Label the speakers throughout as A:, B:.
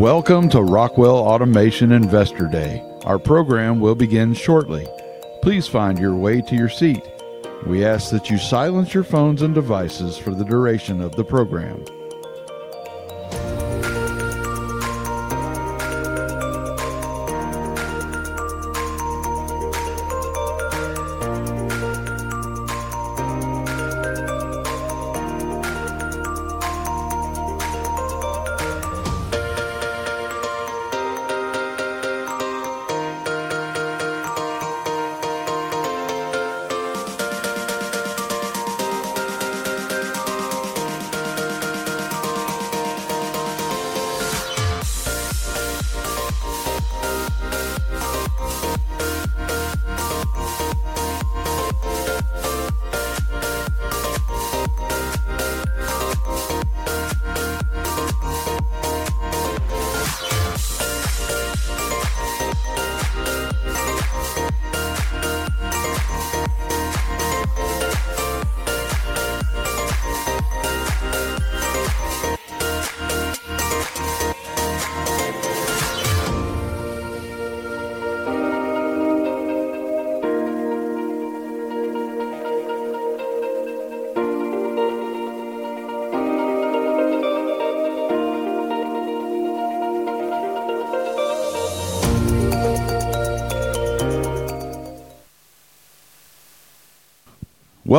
A: Welcome to Rockwell Automation Investor Day. Our program will begin shortly. Please find your way to your seat. We ask that you silence your phones and devices for the duration of the program.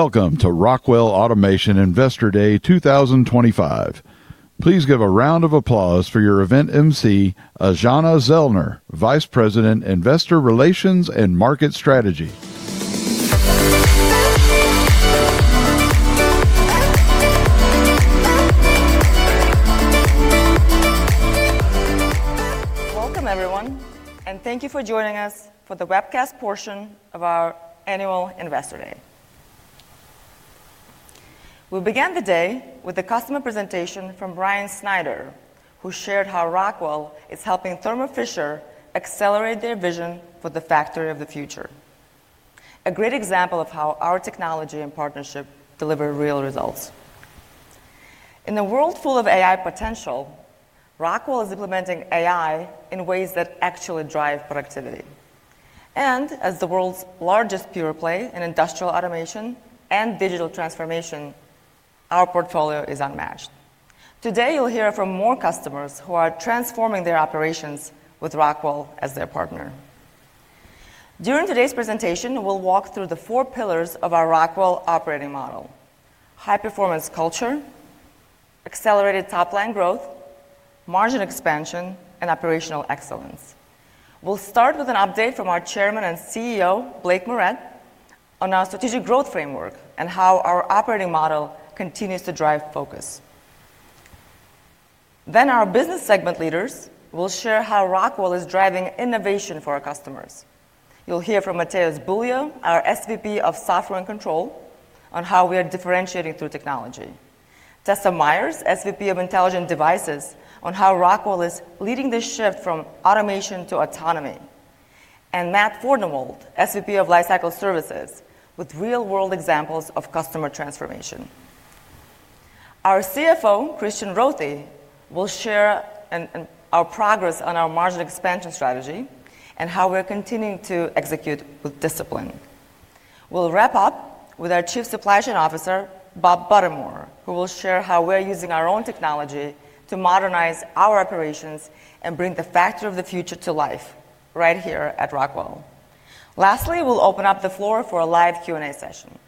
A: Welcome to Rockwell Automation Investor Day 2025. Please give a round of applause for your event emcee, Aijana Zellner, Vice President, Investor Relations and Market Strategy.
B: Welcome, everyone, and thank you for joining us for the webcast portion of our annual Investor Day. We'll begin the day with a customer presentation from Brian Snyder, who shared how Rockwell is helping Thermo Fisher accelerate their vision for the factory of the future. A great example of how our technology and partnership deliver real results. In a world full of AI potential, Rockwell is implementing AI in ways that actually drive productivity. As the world's largest pure play in industrial automation and digital transformation, our portfolio is unmatched. Today, you'll hear from more customers who are transforming their operations with Rockwell as their partner. During today's presentation, we'll walk through the four pillars of our Rockwell operating model: high-performance culture, accelerated top-line growth, margin expansion, and operational excellence. We'll start with an update from our Chairman and CEO, Blake Moret, on our strategic growth framework and how our operating model continues to drive focus. Our business segment leaders will share how Rockwell is driving innovation for our customers. You'll hear from Mateus Bulho, our SVP of Software and Control, on how we are differentiating through technology. Tessa Myers, SVP of Intelligent Devices, on how Rockwell is leading the shift from automation to autonomy. Matt Fordenwalt, SVP of Lifecycle Services, with real-world examples of customer transformation. Our CFO, Christian Rothy, will share our progress on our margin expansion strategy and how we're continuing to execute with discipline. We'll wrap up with our Chief Supply Chain Officer, Bob Buttermore, who will share how we're using our own technology to modernize our operations and bring the factory of the future to life right here at Rockwell. Lastly, we'll open up the floor for a live Q&A session.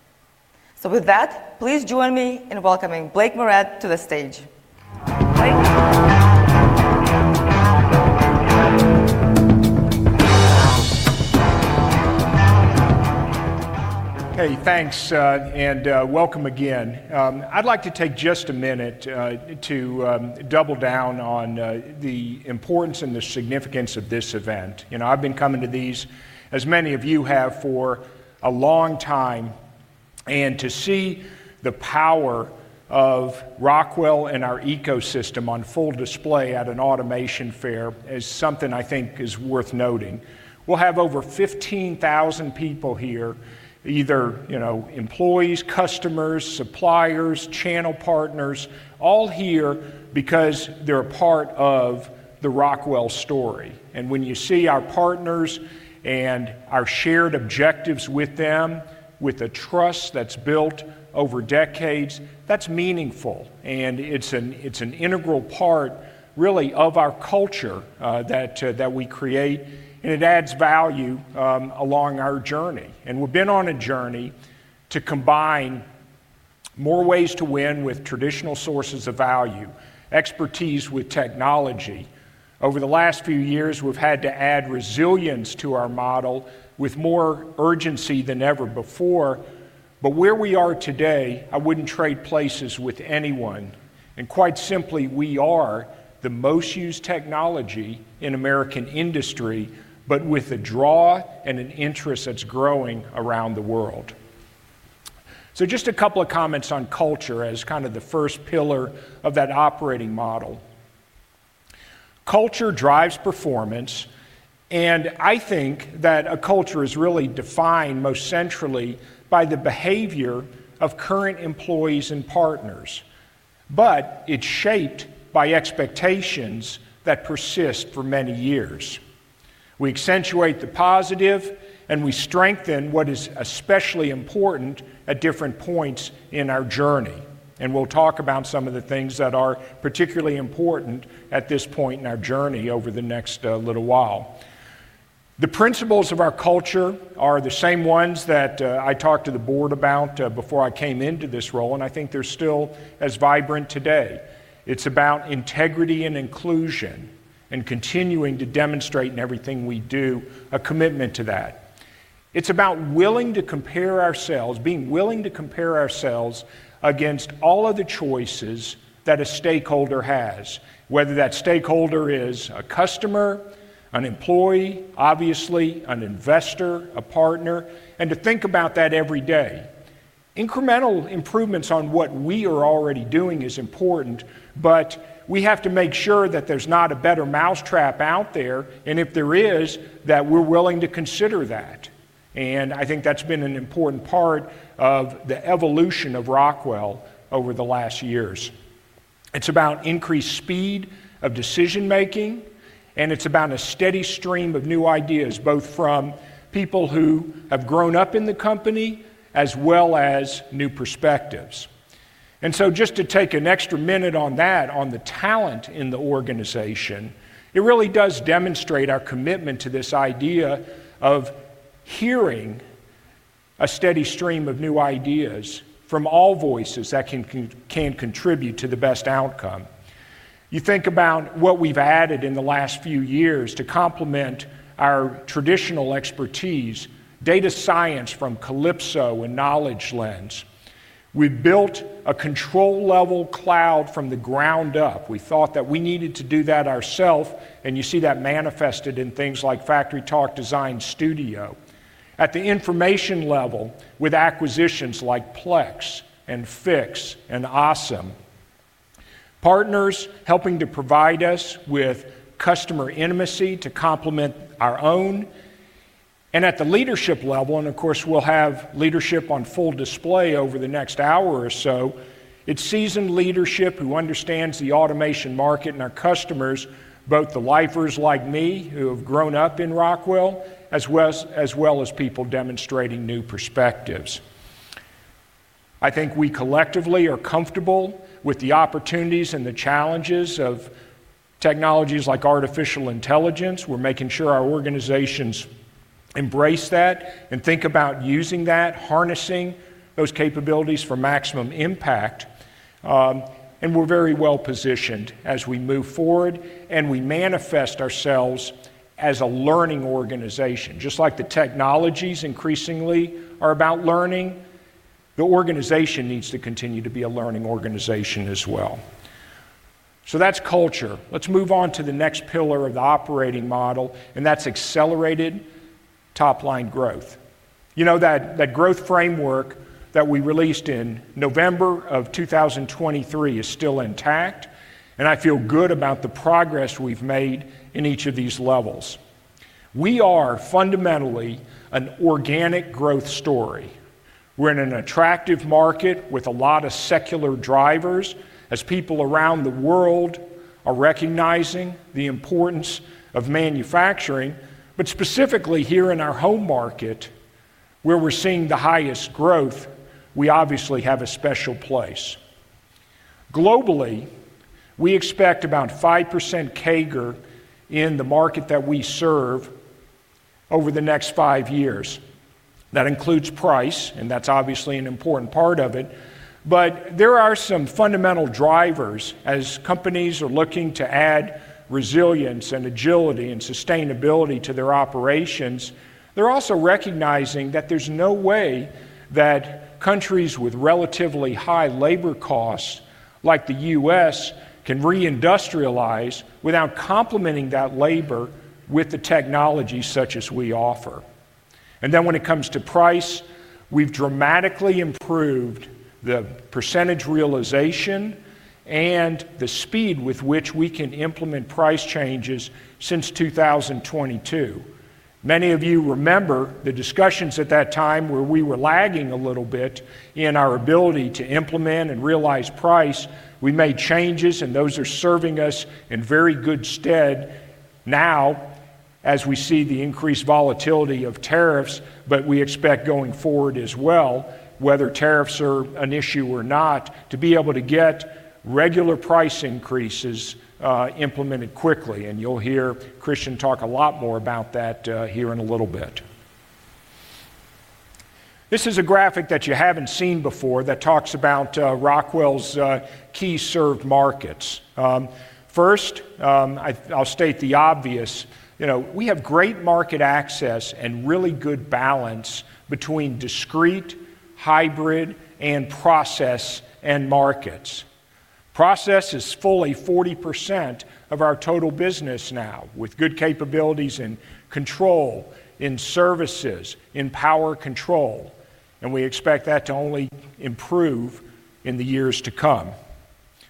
B: With that, please join me in welcoming Blake Moret to the stage. Blake.
C: Hey, thanks, and welcome again. I'd like to take just a minute to double down on the importance and the significance of this event. You know, I've been coming to these, as many of you have, for a long time, and to see the power of Rockwell and our ecosystem on full display at an automation fair is something I think is worth noting. We'll have over 15,000 people here, either, you know, employees, customers, suppliers, channel partners, all here because they're a part of the Rockwell story. When you see our partners and our shared objectives with them, with a trust that's built over decades, that's meaningful. It's an integral part, really, of our culture that we create, and it adds value along our journey. We've been on a journey to combine more ways to win with traditional sources of value, expertise with technology. Over the last few years, we've had to add resilience to our model with more urgency than ever before. Where we are today, I wouldn't trade places with anyone. Quite simply, we are the most used technology in American industry, but with a draw and an interest that's growing around the world. Just a couple of comments on culture as kind of the first pillar of that operating model. Culture drives performance, and I think that a culture is really defined most centrally by the behavior of current employees and partners, but it's shaped by expectations that persist for many years. We accentuate the positive, and we strengthen what is especially important at different points in our journey. We'll talk about some of the things that are particularly important at this point in our journey over the next little while. The principles of our culture are the same ones that I talked to the board about before I came into this role, and I think they're still as vibrant today. It's about integrity and inclusion and continuing to demonstrate in everything we do a commitment to that. It's about willing to compare ourselves, being willing to compare ourselves against all of the choices that a stakeholder has, whether that stakeholder is a customer, an employee, obviously, an investor, a partner, and to think about that every day. Incremental improvements on what we are already doing are important, but we have to make sure that there's not a better mousetrap out there, and if there is, that we're willing to consider that. I think that's been an important part of the evolution of Rockwell over the last years. It's about increased speed of decision-making, and it's about a steady stream of new ideas, both from people who have grown up in the company as well as new perspectives. Just to take an extra minute on that, on the talent in the organization, it really does demonstrate our commitment to this idea of hearing a steady stream of new ideas from all voices that can contribute to the best outcome. You think about what we've added in the last few years to complement our traditional expertise: data science from Calypso and Knowledge Lens. We built a control-level cloud from the ground up. We thought that we needed to do that ourself, and you see that manifested in things like FactoryTalk Design Studio. At the information level, with acquisitions like Plex and Fiix and OSM, partners helping to provide us with customer intimacy to complement our own. At the leadership level, and of course, we'll have leadership on full display over the next hour or so, it's seasoned leadership who understands the automation market and our customers, both the lifers like me who have grown up in Rockwell, as well as people demonstrating new perspectives. I think we collectively are comfortable with the opportunities and the challenges of technologies like artificial intelligence. We're making sure our organizations embrace that and think about using that, harnessing those capabilities for maximum impact. We're very well positioned as we move forward, and we manifest ourselves as a learning organization. Just like the technologies increasingly are about learning, the organization needs to continue to be a learning organization as well. That's culture. Let's move on to the next pillar of the operating model, and that's accelerated top-line growth. You know, that growth framework that we released in November of 2023 is still intact, and I feel good about the progress we've made in each of these levels. We are fundamentally an organic growth story. We're in an attractive market with a lot of secular drivers, as people around the world are recognizing the importance of manufacturing. Specifically here in our home market, where we're seeing the highest growth, we obviously have a special place. Globally, we expect about 5% CAGR in the market that we serve over the next five years. That includes price, and that's obviously an important part of it. There are some fundamental drivers. As companies are looking to add resilience and agility and sustainability to their operations, they're also recognizing that there's no way that countries with relatively high labor costs, like the U.S., can reindustrialize without complementing that labor with the technology such as we offer. When it comes to price, we've dramatically improved the % realization and the speed with which we can implement price changes since 2022. Many of you remember the discussions at that time where we were lagging a little bit in our ability to implement and realize price. We made changes, and those are serving us in very good stead now as we see the increased volatility of tariffs. We expect going forward as well, whether tariffs are an issue or not, to be able to get regular price increases implemented quickly. You'll hear Christian talk a lot more about that here in a little bit. This is a graphic that you haven't seen before that talks about Rockwell's key served markets. First, I'll state the obvious. You know, we have great market access and really good balance between discrete, hybrid, and process markets. Process is fully 40% of our total business now, with good capabilities in control, in services, in power control, and we expect that to only improve in the years to come.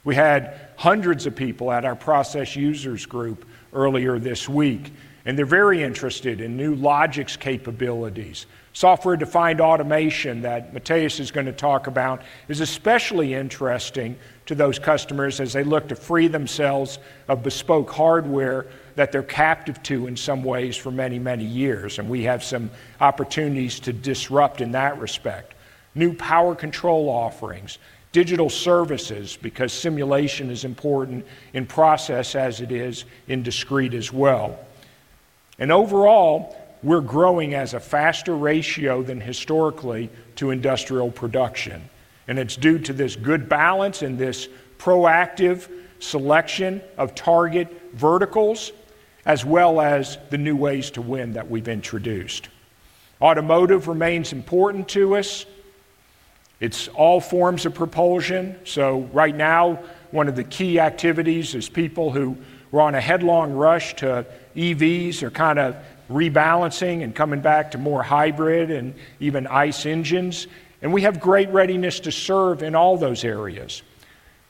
C: We had hundreds of people at our process users group earlier this week, and they're very interested in new Logix capabilities. Software-defined automation that Mateus is going to talk about is especially interesting to those customers as they look to free themselves of bespoke hardware that they're captive to in some ways for many, many years. We have some opportunities to disrupt in that respect. New power control offerings, digital services, because simulation is important in process as it is in discrete as well. Overall, we're growing at a faster ratio than historically to industrial production. It's due to this good balance and this proactive selection of target verticals, as well as the new ways to win that we've introduced. Automotive remains important to us. It's all forms of propulsion. Right now, one of the key activities is people who were on a headlong rush to EVs are kind of rebalancing and coming back to more hybrid and even ICE engines. We have great readiness to serve in all those areas.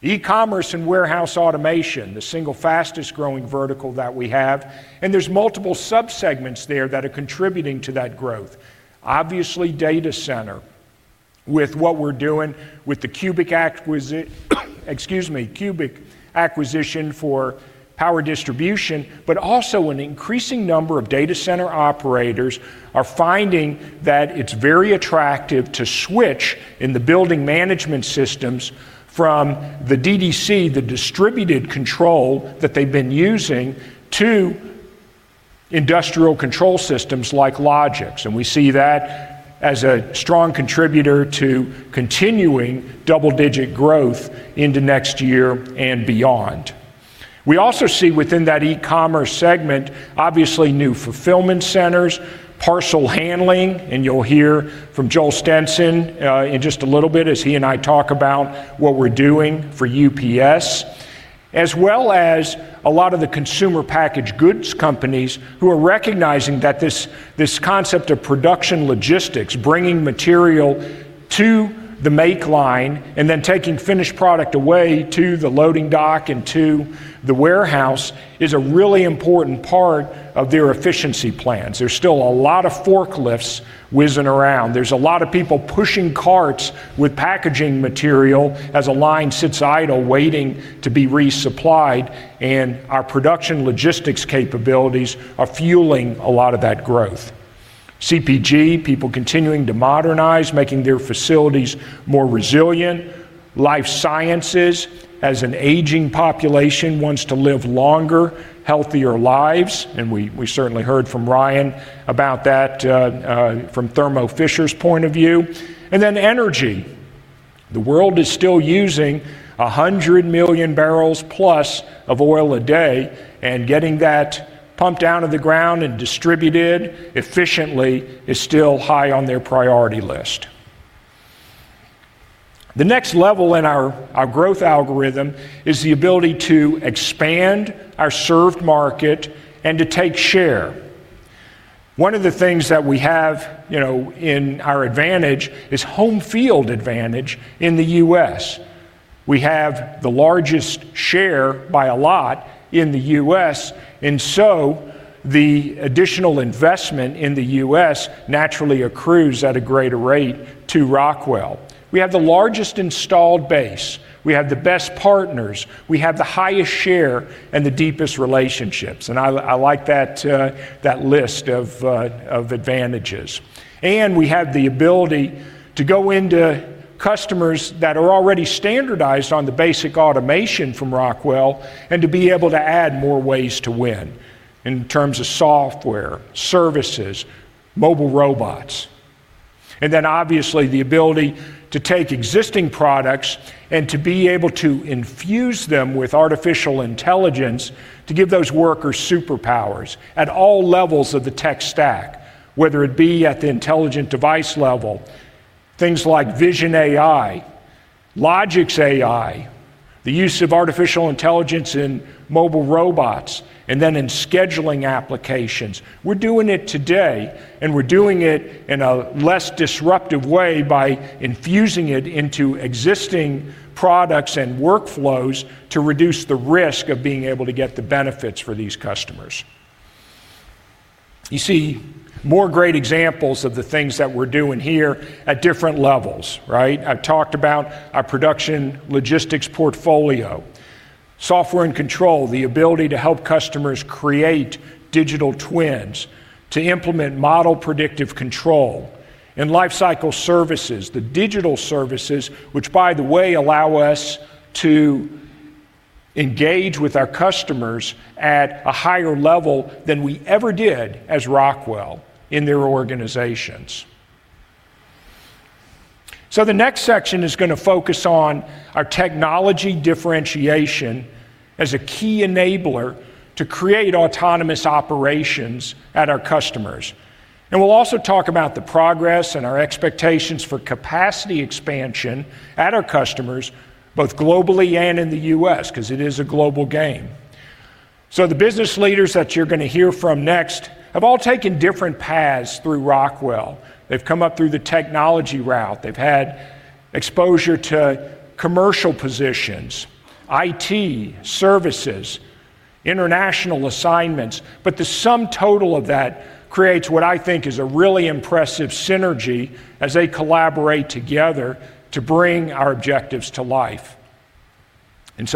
C: E-commerce and warehouse automation, the single fastest growing vertical that we have. There are multiple subsegments there that are contributing to that growth. Obviously, data center, with what we're doing with the Cubic acquisition for power distribution, but also an increasing number of data center operators are finding that it's very attractive to switch in the building management systems from the DDC, the distributed control that they've been using, to industrial control systems like Logix. We see that as a strong contributor to continuing double-digit growth into next year and beyond. We also see within that e-commerce segment, obviously new fulfillment centers, parcel handling, and you'll hear from Joel Stenson in just a little bit as he and I talk about what we're doing for UPS, as well as a lot of the consumer packaged goods companies who are recognizing that this concept of production logistics, bringing material to the make line and then taking finished product away to the loading dock and to the warehouse, is a really important part of their efficiency plans. There's still a lot of forklifts whizzing around. There's a lot of people pushing carts with packaging material as a line sits idle waiting to be resupplied, and our production logistics capabilities are fueling a lot of that growth. CPG, people continuing to modernize, making their facilities more resilient. Life sciences, as an aging population wants to live longer, healthier lives, and we certainly heard from Brian about that from Thermo Fisher's point of view. Energy. The world is still using 100 million barrels plus of oil a day, and getting that pumped out of the ground and distributed efficiently is still high on their priority list. The next level in our growth algorithm is the ability to expand our served market and to take share. One of the things that we have, you know, in our advantage is home field advantage in the U.S. We have the largest share by a lot in the U.S., and the additional investment in the U.S. naturally accrues at a greater rate to Rockwell. We have the largest installed base. We have the best partners. We have the highest share and the deepest relationships. I like that list of advantages. We have the ability to go into customers that are already standardized on the basic automation from Rockwell and to be able to add more ways to win in terms of software, services, mobile robots. Obviously, the ability to take existing products and to be able to infuse them with artificial intelligence to give those workers superpowers at all levels of the tech stack, whether it be at the intelligent device level, things like Vision AI, Logix AI, the use of artificial intelligence in mobile robots, and then in scheduling applications. We're doing it today, and we're doing it in a less disruptive way by infusing it into existing products and workflows to reduce the risk of being able to get the benefits for these customers. You see more great examples of the things that we're doing here at different levels, right? I've talked about our production logistics portfolio, software and control, the ability to help customers create digital twins, to implement model predictive control, and life cycle services, the digital services, which by the way allow us to engage with our customers at a higher level than we ever did as Rockwell in their organizations. The next section is going to focus on our technology differentiation as a key enabler to create autonomous operations at our customers. We'll also talk about the progress and our expectations for capacity expansion at our customers, both globally and in the U.S., because it is a global game. The business leaders that you're going to hear from next have all taken different paths through Rockwell. They've come up through the technology route. They've had exposure to commercial positions, IT services, international assignments, but the sum total of that creates what I think is a really impressive synergy as they collaborate together to bring our objectives to life.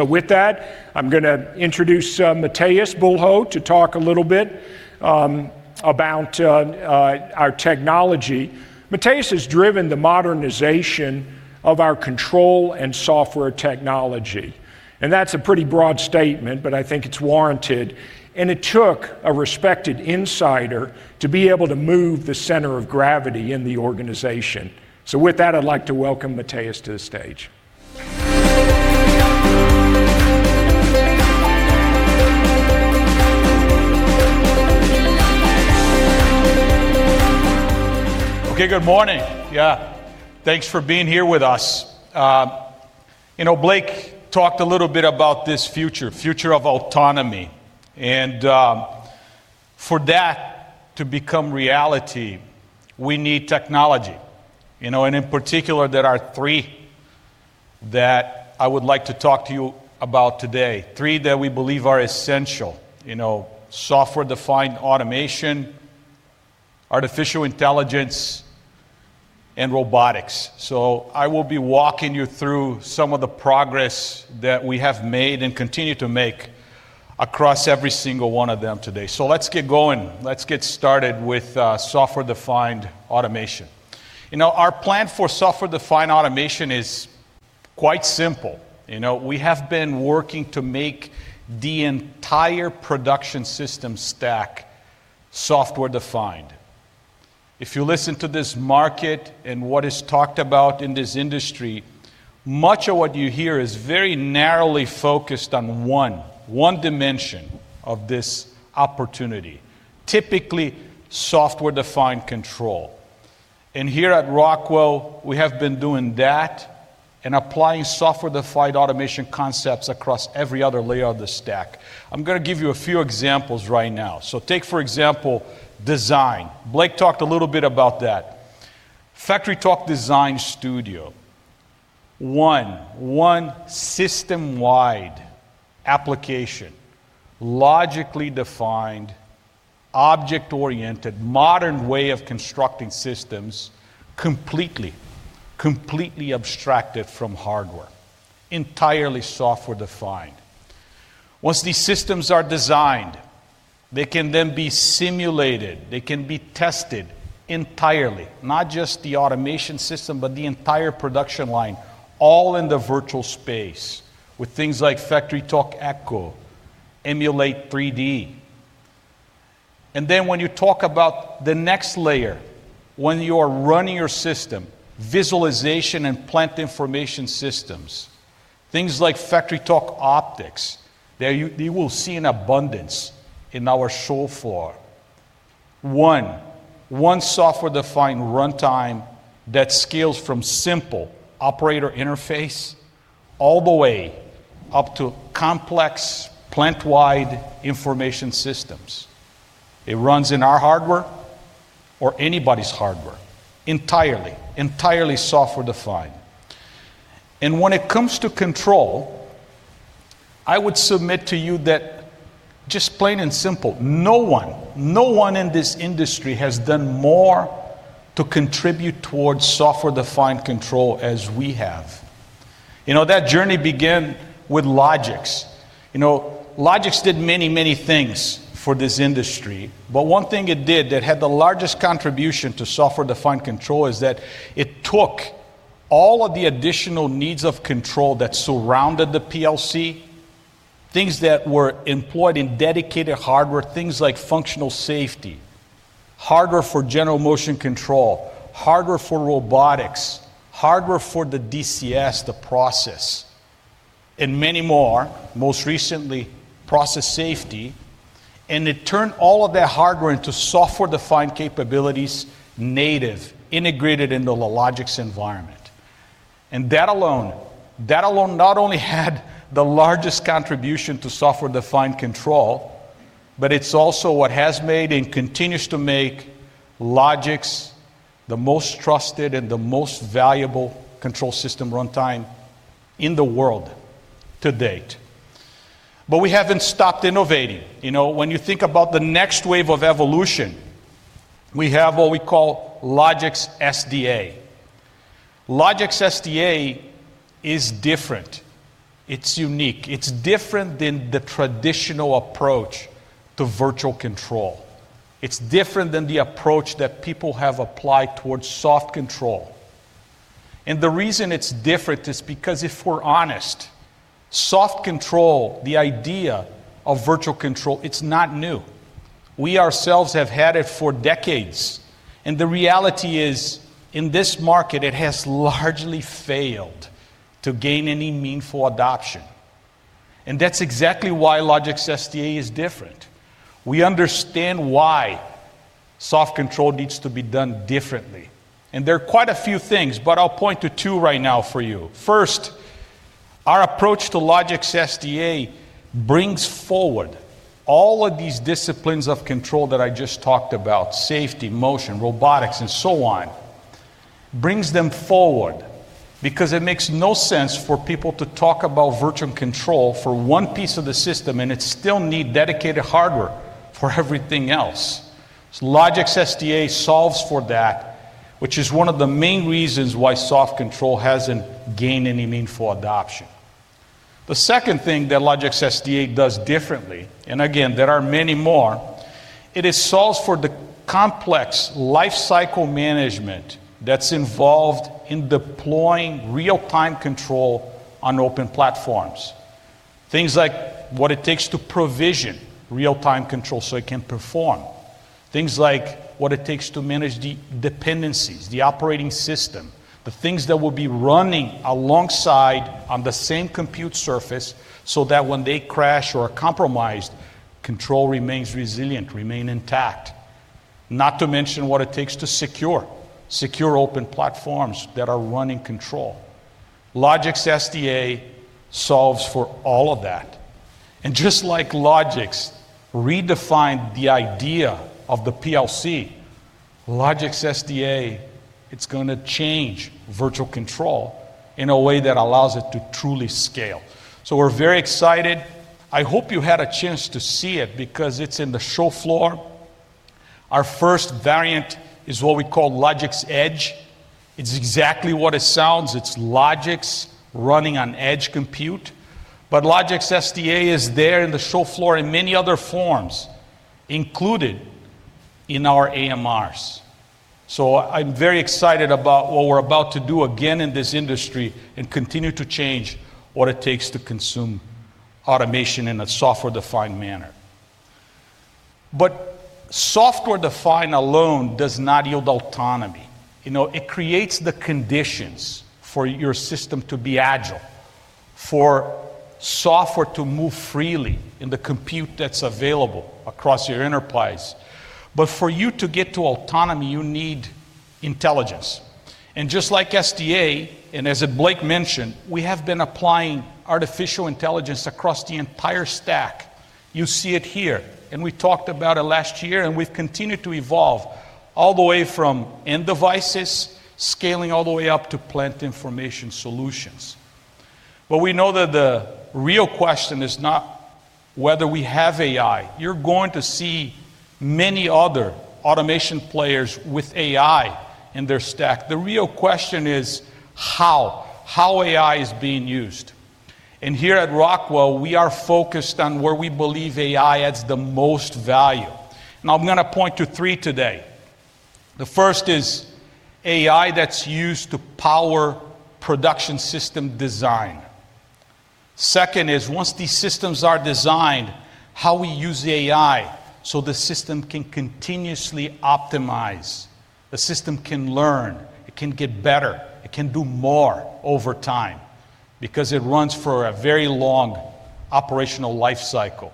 C: With that, I'm going to introduce Mateus Bulho to talk a little bit about our technology. Mateus has driven the modernization of our control and software technology. That's a pretty broad statement, but I think it's warranted. It took a respected insider to be able to move the center of gravity in the organization. With that, I'd like to welcome Mateus to the stage.
D: Okay, good morning. Yeah, thanks for being here with us. You know, Blake talked a little bit about this future, future of autonomy. For that to become reality, we need technology. You know, and in particular, there are three that I would like to talk to you about today, three that we believe are essential, you know, software-defined automation, artificial intelligence, and robotics. I will be walking you through some of the progress that we have made and continue to make across every single one of them today. Let's get going. Let's get started with software-defined automation. You know, our plan for software-defined automation is quite simple. You know, we have been working to make the entire production system stack software-defined. If you listen to this market and what is talked about in this industry, much of what you hear is very narrowly focused on one, one dimension of this opportunity, typically software-defined control. Here at Rockwell, we have been doing that and applying software-defined automation concepts across every other layer of the stack. I'm going to give you a few examples right now. Take, for example, design. Blake talked a little bit about that. FactoryTalk Design Studio, one system-wide application, logically defined, object-oriented, modern way of constructing systems, completely, completely abstracted from hardware, entirely software-defined. Once these systems are designed, they can then be simulated. They can be tested entirely, not just the automation system, but the entire production line, all in the virtual space with things like FactoryTalk Echo, Emulate 3D. When you talk about the next layer, when you are running your system, visualization and plant information systems, things like FactoryTalk Optics, that you will see in abundance in our show floor. One software-defined runtime that scales from simple operator interface all the way up to complex plant-wide information systems. It runs in our hardware or anybody's hardware, entirely, entirely software-defined. When it comes to control, I would submit to you that just plain and simple, no one, no one in this industry has done more to contribute towards software-defined control as we have. You know, that journey began with Logix. You know, Logix did many, many things for this industry, but one thing it did that had the largest contribution to software-defined control is that it took all of the additional needs of control that surrounded the PLC, things that were employed in dedicated hardware, things like functional safety, hardware for general motion control, hardware for robotics, hardware for the DCS, the process, and many more, most recently process safety. It turned all of that hardware into software-defined capabilities, native, integrated into the Logix environment. That alone not only had the largest contribution to software-defined control, but it's also what has made and continues to make Logix the most trusted and the most valuable control system runtime in the world to date. We haven't stopped innovating. You know, when you think about the next wave of evolution, we have what we call Logix SDA. Logix SDA is different. It's unique. It's different than the traditional approach to virtual control. It's different than the approach that people have applied towards soft control. The reason it's different is because if we're honest, soft control, the idea of virtual control, it's not new. We ourselves have had it for decades. The reality is, in this market, it has largely failed to gain any meaningful adoption. That's exactly why Logix SDA is different. We understand why soft control needs to be done differently. There are quite a few things, but I'll point to two right now for you. First, our approach to Logix SDA brings forward all of these disciplines of control that I just talked about, safety, motion, robotics, and so on, brings them forward because it makes no sense for people to talk about virtual control for one piece of the system, and it still needs dedicated hardware for everything else. Logix SDA solves for that, which is one of the main reasons why soft control hasn't gained any meaningful adoption. The second thing that Logix SDA does differently, and again, there are many more, it solves for the complex life cycle management that's involved in deploying real-time control on open platforms, things like what it takes to provision real-time control so it can perform, things like what it takes to manage the dependencies, the operating system, the things that will be running alongside on the same compute surface so that when they crash or are compromised, control remains resilient, remains intact, not to mention what it takes to secure, secure open platforms that are running control. Logix SDA solves for all of that. Just like Logix redefined the idea of the PLC, Logix SDA, it's going to change virtual control in a way that allows it to truly scale. We are very excited. I hope you had a chance to see it because it's in the show floor. Our first variant is what we call Logix Edge. It's exactly what it sounds. It's Logix running on edge compute, but Logix SDA is there in the show floor in many other forms, included in our AMRs. I am very excited about what we're about to do again in this industry and continue to change what it takes to consume automation in a software-defined manner. Software-defined alone does not yield autonomy. You know, it creates the conditions for your system to be agile, for software to move freely in the compute that's available across your enterprise. For you to get to autonomy, you need intelligence. Just like SDA, and as Blake mentioned, we have been applying artificial intelligence across the entire stack. You see it here. We talked about it last year, and we've continued to evolve all the way from end devices, scaling all the way up to plant information solutions. We know that the real question is not whether we have AI. You're going to see many other automation players with AI in their stack. The real question is how, how AI is being used. Here at Rockwell, we are focused on where we believe AI adds the most value. I'm going to point to three today. The first is AI that's used to power production system design. Second is, once these systems are designed, how we use AI so the system can continuously optimize, the system can learn, it can get better, it can do more over time because it runs for a very long operational life cycle.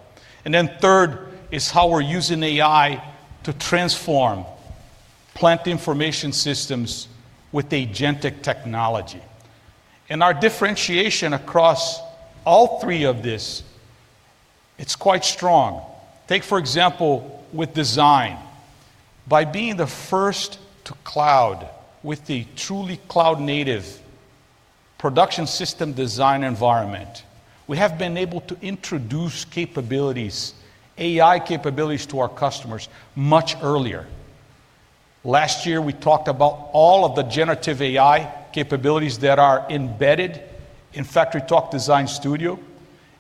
D: Third is how we're using AI to transform plant information systems with agentic technology. Our differentiation across all three of this, it's quite strong. Take, for example, with design. By being the first to cloud with the truly cloud-native production system design environment, we have been able to introduce capabilities, AI capabilities to our customers much earlier. Last year, we talked about all of the generative AI capabilities that are embedded in FactoryTalk Design Studio,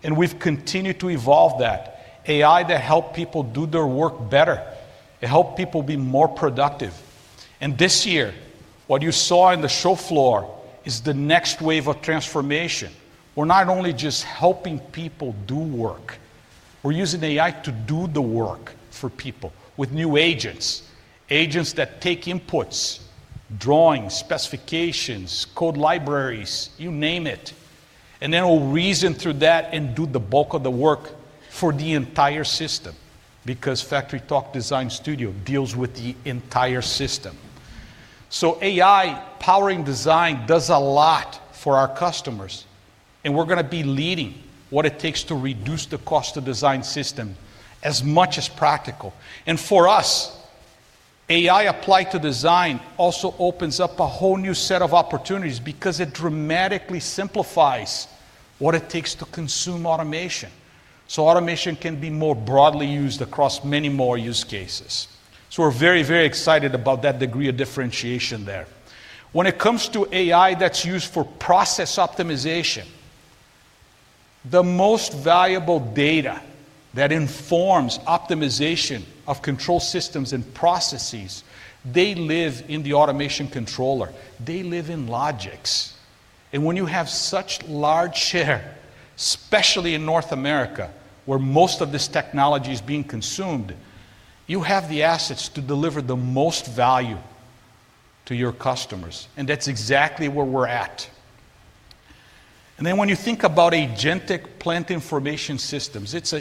D: and we've continued to evolve that AI that helps people do their work better, it helps people be more productive. This year, what you saw in the show floor is the next wave of transformation. We're not only just helping people do work, we're using AI to do the work for people with new agents, agents that take inputs, drawings, specifications, code libraries, you name it. We will reason through that and do the bulk of the work for the entire system because FactoryTalk Design Studio deals with the entire system. AI powering design does a lot for our customers, and we are going to be leading what it takes to reduce the cost of design system as much as practical. For us, AI applied to design also opens up a whole new set of opportunities because it dramatically simplifies what it takes to consume automation. Automation can be more broadly used across many more use cases. We are very, very excited about that degree of differentiation there. When it comes to AI that is used for process optimization, the most valuable data that informs optimization of control systems and processes, they live in the automation controller, they live in Logix. When you have such a large share, especially in North America, where most of this technology is being consumed, you have the assets to deliver the most value to your customers. That is exactly where we're at. When you think about agentic plant information systems, it's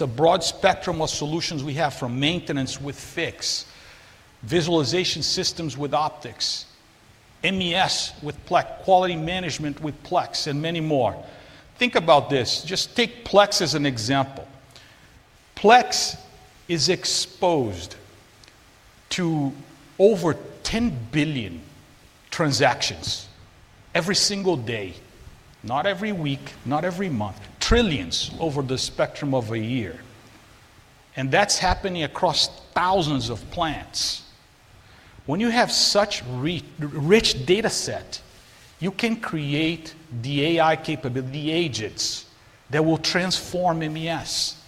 D: a broad spectrum of solutions we have from maintenance with Fiix, visualization systems with Optics, MES with Plex, quality management with Plex, and many more. Think about this. Just take Plex as an example. Plex is exposed to over 10 billion transactions every single day, not every week, not every month, trillions over the spectrum of a year. That is happening across thousands of plants. When you have such a rich data set, you can create the AI capability, the agents that will transform MES.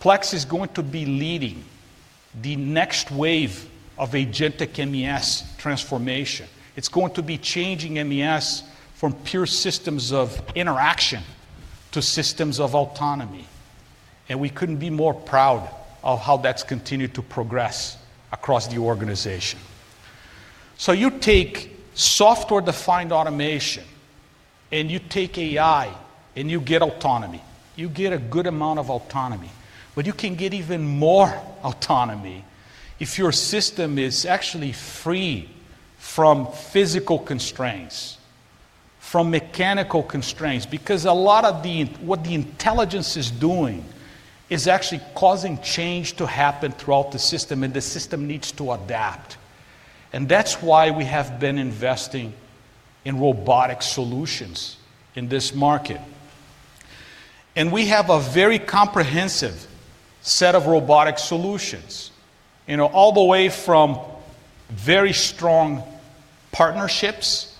D: Plex is going to be leading the next wave of agentic MES transformation. It's going to be changing MES from pure systems of interaction to systems of autonomy. We couldn't be more proud of how that's continued to progress across the organization. You take software-defined automation and you take AI and you get autonomy. You get a good amount of autonomy, but you can get even more autonomy if your system is actually free from physical constraints, from mechanical constraints, because a lot of what the intelligence is doing is actually causing change to happen throughout the system and the system needs to adapt. That's why we have been investing in robotic solutions in this market. We have a very comprehensive set of robotic solutions, you know, all the way from very strong partnerships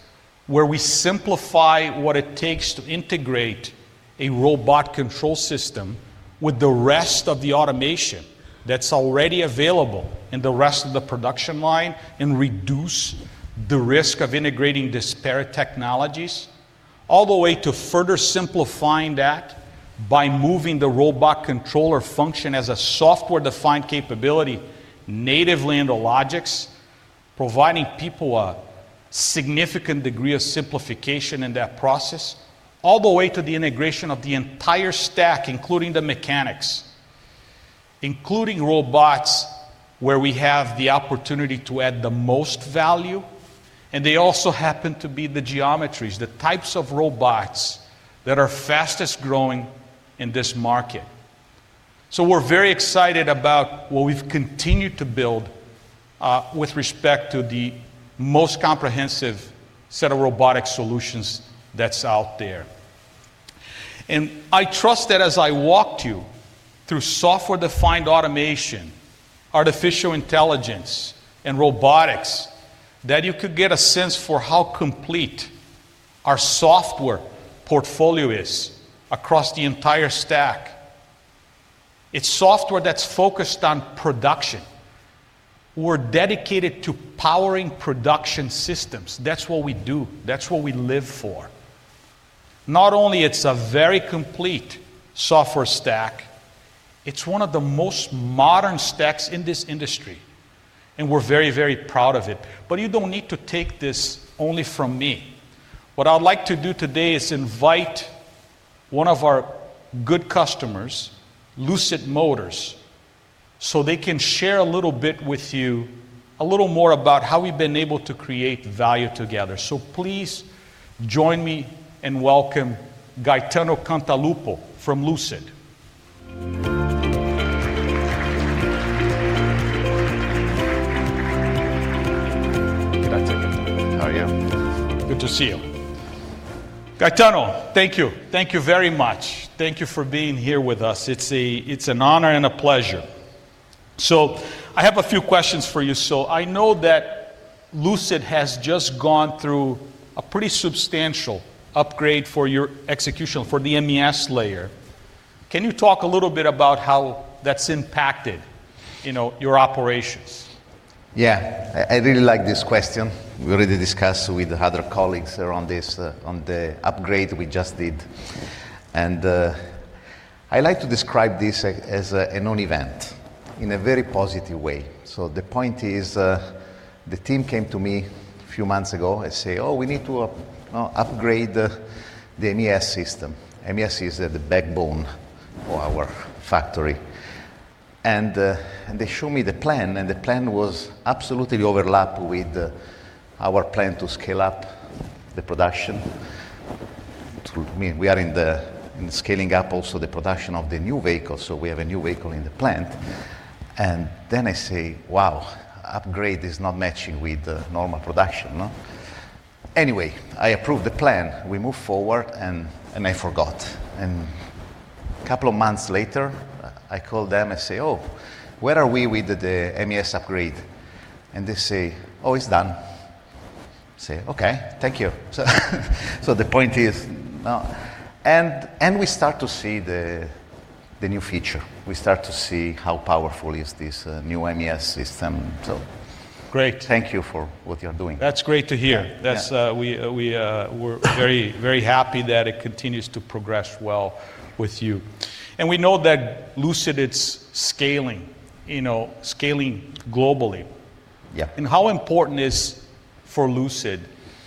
D: where we simplify what it takes to integrate a robot control system with the rest of the automation that's already available in the rest of the production line and reduce the risk of integrating disparate technologies, all the way to further simplifying that by moving the robot controller function as a software-defined capability natively into Logix, providing people a significant degree of simplification in that process, all the way to the integration of the entire stack, including the mechanics, including robots where we have the opportunity to add the most value. They also happen to be the geometries, the types of robots that are fastest growing in this market. We're very excited about what we've continued to build with respect to the most comprehensive set of robotic solutions that's out there. I trust that as I walked you through software-defined automation, artificial intelligence, and robotics, you could get a sense for how complete our software portfolio is across the entire stack. It's software that's focused on production. We're dedicated to powering production systems. That's what we do. That's what we live for. Not only is it a very complete software stack, it's one of the most modern stacks in this industry, and we're very, very proud of it. You don't need to take this only from me. What I'd like to do today is invite one of our good customers, Lucid Motors, so they can share a little bit with you, a little more about how we've been able to create value together. Please join me and welcome Gaetano Cantalupo from Lucid.
E: How are you?
D: Good to see you. Gaetano, thank you. Thank you very much. Thank you for being here with us. It's an honor and a pleasure. I have a few questions for you. I know that Lucid has just gone through a pretty substantial upgrade for your execution, for the MES layer. Can you talk a little bit about how that's impacted, you know, your operations?
E: Yeah, I really like this question. We already discussed with other colleagues around this, on the upgrade we just did. I like to describe this as an on event in a very positive way. The point is the team came to me a few months ago and said, "Oh, we need to upgrade the MES system." MES is the backbone of our factory. They showed me the plan, and the plan was absolutely overlapped with our plan to scale up the production. We are scaling up also the production of the new vehicle, so we have a new vehicle in the plant. I say, "Wow, upgrade is not matching with normal production, no?" Anyway, I approved the plan. We moved forward, and I forgot. A couple of months later, I called them and said, "Oh, where are we with the MES upgrade?" They say, "Oh, it's done." I say, "Okay, thank you." The point is, we start to see the new feature. We start to see how powerful this new MES system is.
D: Great.
E: Thank you for what you're doing.
D: That's great to hear. We're very, very happy that it continues to progress well with you. We know that Lucid is scaling, you know, scaling globally.
E: Yeah.
D: How important is it for Lucid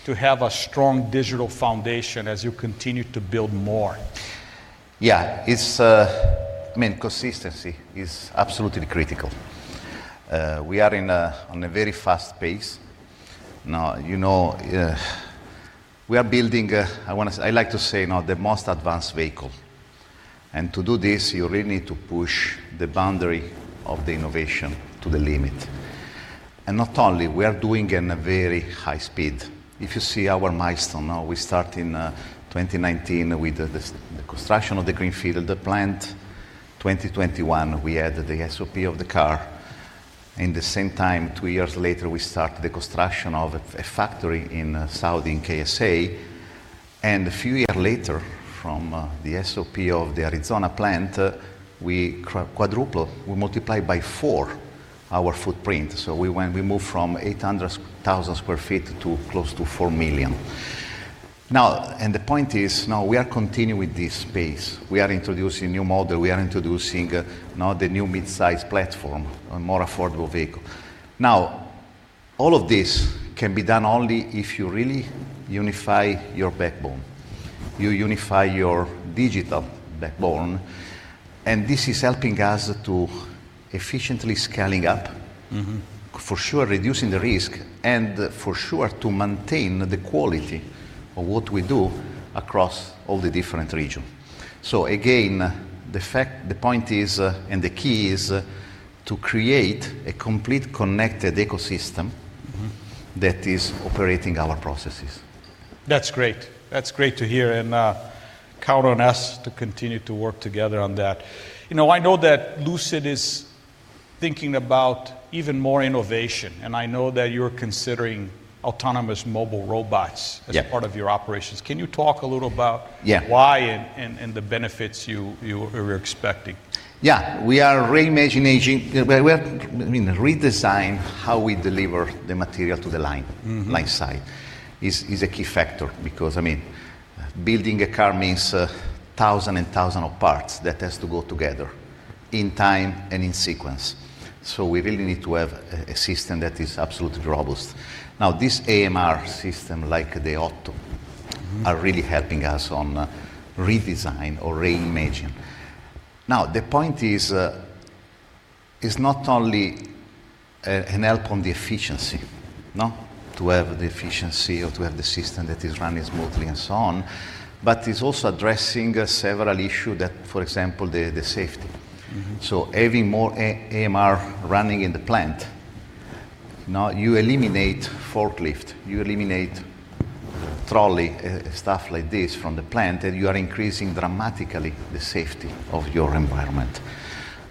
D: to have a strong digital foundation as you continue to build more?
E: Yeah, it's, I mean, consistency is absolutely critical. We are on a very fast pace. Now, you know, we are building, I want to say, I like to say, now the most advanced vehicle. To do this, you really need to push the boundary of the innovation to the limit. Not only, we are doing it at a very high speed. If you see our milestone, now we start in 2019 with the construction of the greenfield plant. In 2021, we added the SOP of the car. At the same time, two years later, we started the construction of a factory in KSA. A few years later, from the SOP of the Arizona plant, we quadrupled, we multiplied by four our footprint. We moved from 800,000 sq ft to close to 4 million. Now, the point is, now we are continuing with this space. We are introducing a new model. We are introducing now the new mid-size platform, a more affordable vehicle. Now, all of this can be done only if you really unify your backbone, you unify your digital backbone. This is helping us to efficiently scale up, for sure, reducing the risk, and for sure, to maintain the quality of what we do across all the different regions. Again, the point is, and the key is to create a complete connected ecosystem that is operating our processes.
D: That's great. That's great to hear and count on us to continue to work together on that. You know, I know that Lucid is thinking about even more innovation, and I know that you're considering autonomous mobile robots as part of your operations. Can you talk a little about why and the benefits you're expecting?
E: Yeah, we are reimagining, I mean, redesigning how we deliver the material to the line site. It's a key factor because, I mean, building a car means thousands and thousands of parts that have to go together in time and in sequence. We really need to have a system that is absolutely robust. Now, this AMR system, like the Otto, are really helping us on redesign or reimagine. The point is it's not only an help on the efficiency, no? To have the efficiency or to have the system that is running smoothly and so on, but it's also addressing several issues that, for example, the safety. Having more AMR running in the plant, now you eliminate forklift, you eliminate trolley, stuff like this from the plant, and you are increasing dramatically the safety of your environment.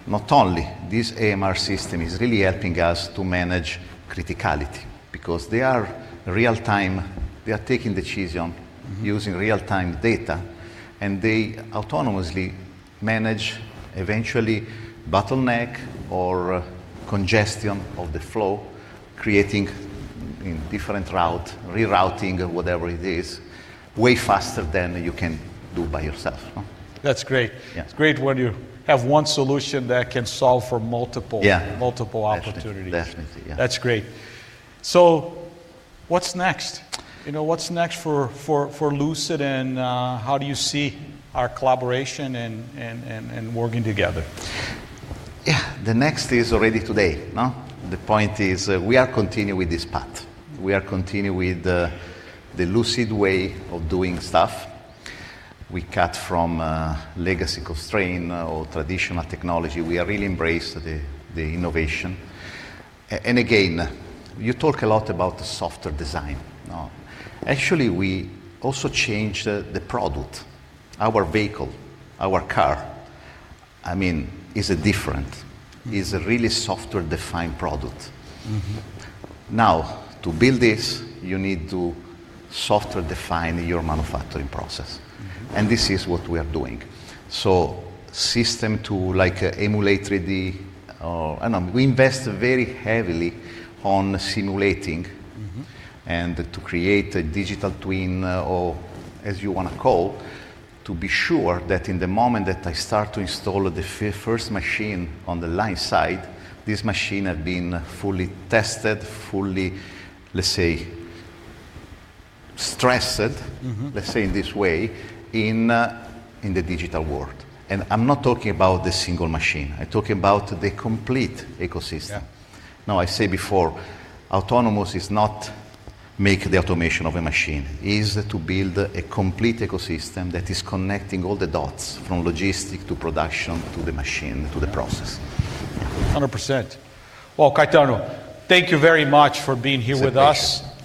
E: Not only, this AMR system is really helping us to manage criticality because they are real-time, they are taking decisions using real-time data, and they autonomously manage eventually bottleneck or congestion of the flow, creating in different routes, rerouting, whatever it is, way faster than you can do by yourself.
D: That's great. It's great when you have one solution that can solve for multiple opportunities.
E: Yeah, definitely. Yeah.
D: That's great. What's next? You know, what's next for Lucid and how do you see our collaboration and working together?
E: Yeah, the next is already today, no? The point is we are continuing with this path. We are continuing with the Lucid way of doing stuff. We cut from legacy constraints or traditional technology. We really embraced the innovation. You talk a lot about the software design, no? Actually, we also changed the product, our vehicle, our car. I mean, it's different. It's a really software-defined product. Now, to build this, you need to software-define your manufacturing process. This is what we are doing. System to like Emulate 3D, I don't know, we invest very heavily on simulating and to create a digital twin or as you want to call, to be sure that in the moment that I start to install the first machine on the line side, this machine has been fully tested, fully, let's say, stressed, let's say in this way, in the digital world. I'm not talking about the single machine. I'm talking about the complete ecosystem. I said before, autonomous is not making the automation of a machine. It is to build a complete ecosystem that is connecting all the dots from logistics to production to the machine to the process.
D: 100%. Gaetano, thank you very much for being here with us. Thank you.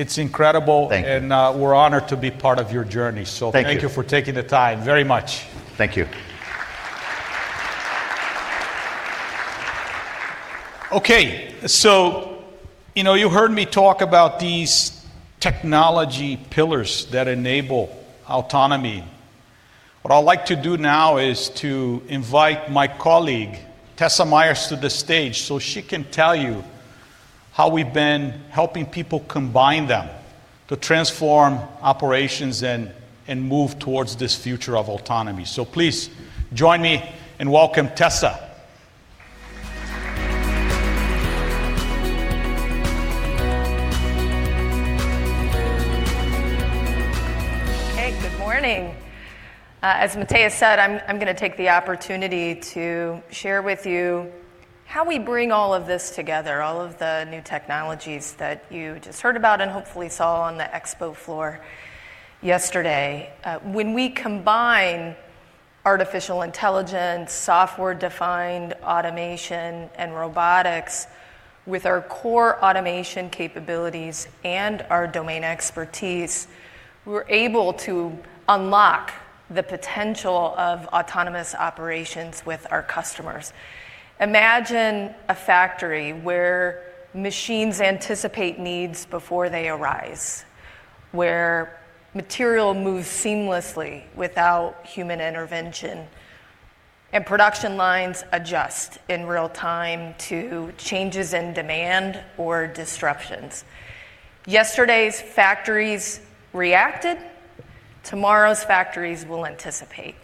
D: It's incredible.
E: Thank you.
D: We are honored to be part of your journey.
E: Thank you.
D: Thank you for taking the time very much.
E: Thank you.
D: Okay. You know, you heard me talk about these technology pillars that enable autonomy. What I'd like to do now is to invite my colleague, Tessa Myers, to the stage so she can tell you how we've been helping people combine them to transform operations and move towards this future of autonomy. Please join me and welcome Tessa.
F: Hey, good morning. As Matteo said, I'm going to take the opportunity to share with you how we bring all of this together, all of the new technologies that you just heard about and hopefully saw on the expo floor yesterday. When we combine artificial intelligence, software-defined automation, and robotics with our core automation capabilities and our domain expertise, we're able to unlock the potential of autonomous operations with our customers. Imagine a factory where machines anticipate needs before they arise, where material moves seamlessly without human intervention, and production lines adjust in real time to changes in demand or disruptions. Yesterday's factories reacted. Tomorrow's factories will anticipate.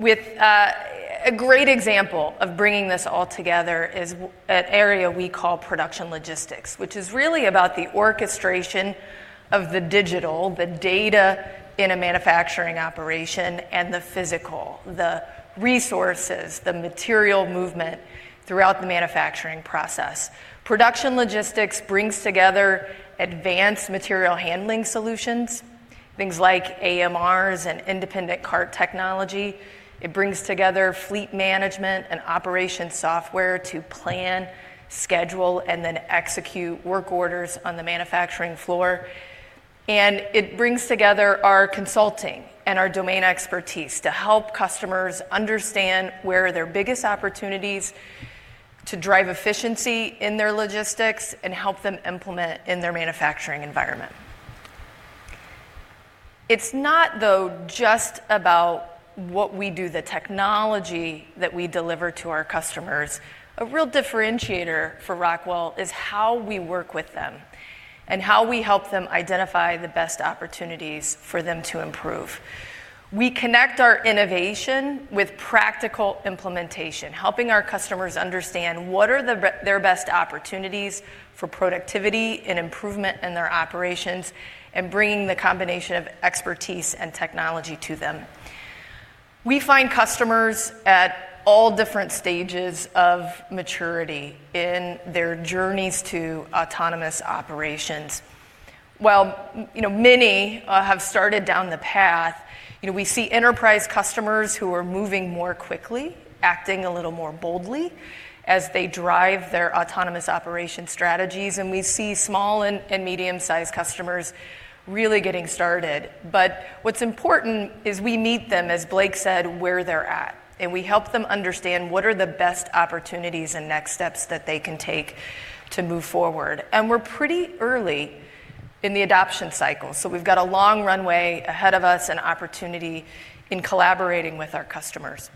F: A great example of bringing this all together is an area we call production logistics, which is really about the orchestration of the digital, the data in a manufacturing operation, and the physical, the resources, the material movement throughout the manufacturing process. Production logistics brings together advanced material handling solutions, things like AMRs and independent cart technology. It brings together fleet management and operation software to plan, schedule, and then execute work orders on the manufacturing floor. It brings together our consulting and our domain expertise to help customers understand where their biggest opportunities to drive efficiency in their logistics and help them implement in their manufacturing environment. It's not, though, just about what we do, the technology that we deliver to our customers. A real differentiator for Rockwell Automation is how we work with them and how we help them identify the best opportunities for them to improve. We connect our innovation with practical implementation, helping our customers understand what are their best opportunities for productivity and improvement in their operations and bringing the combination of expertise and technology to them. We find customers at all different stages of maturity in their journeys to autonomous operations. While, you know, many have started down the path, you know, we see enterprise customers who are moving more quickly, acting a little more boldly as they drive their autonomous operation strategies. We see small and medium-sized customers really getting started. What is important is we meet them, as Blake said, where they're at, and we help them understand what are the best opportunities and next steps that they can take to move forward. We're pretty early in the adoption cycle. We have a long runway ahead of us and opportunity in collaborating with our customers.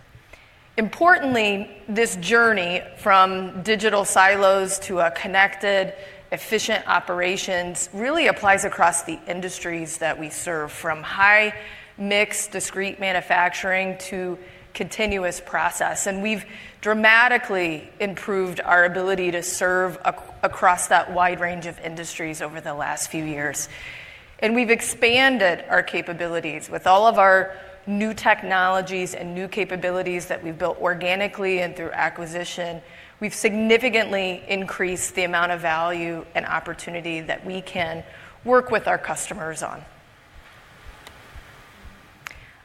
F: Importantly, this journey from digital silos to a connected, efficient operations really applies across the industries that we serve, from high, mixed, discrete manufacturing to continuous process. We have dramatically improved our ability to serve across that wide range of industries over the last few years. We have expanded our capabilities with all of our new technologies and new capabilities that we have built organically and through acquisition. We have significantly increased the amount of value and opportunity that we can work with our customers on.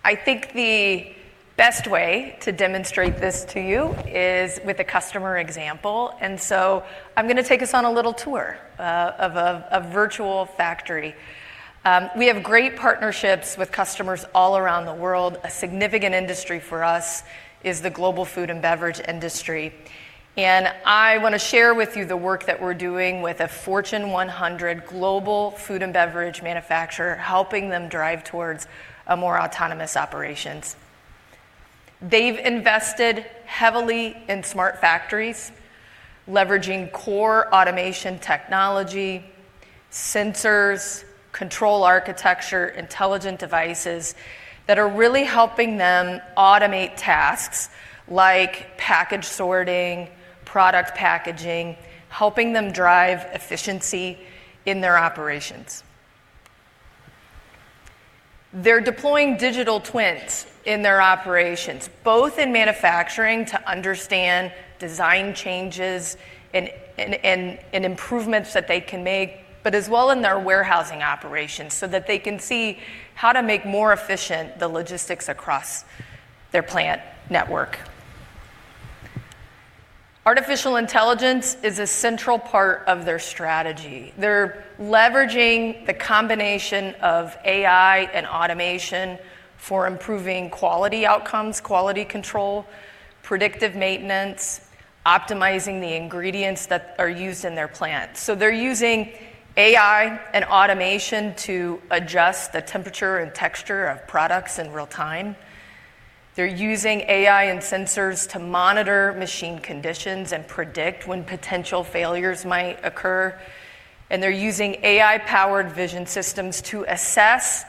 F: I think the best way to demonstrate this to you is with a customer example. I am going to take us on a little tour of a virtual factory. We have great partnerships with customers all around the world. A significant industry for us is the global food and beverage industry. I want to share with you the work that we're doing with a Fortune 100 global food and beverage manufacturer, helping them drive towards more autonomous operations. They've invested heavily in smart factories, leveraging core automation technology, sensors, control architecture, intelligent devices that are really helping them automate tasks like package sorting, product packaging, helping them drive efficiency in their operations. They're deploying digital twins in their operations, both in manufacturing to understand design changes and improvements that they can make, but as well in their warehousing operations so that they can see how to make more efficient the logistics across their plant network. Artificial intelligence is a central part of their strategy. They're leveraging the combination of AI and automation for improving quality outcomes, quality control, predictive maintenance, optimizing the ingredients that are used in their plants. They are using AI and automation to adjust the temperature and texture of products in real time. They are using AI and sensors to monitor machine conditions and predict when potential failures might occur. They are using AI-powered vision systems to assess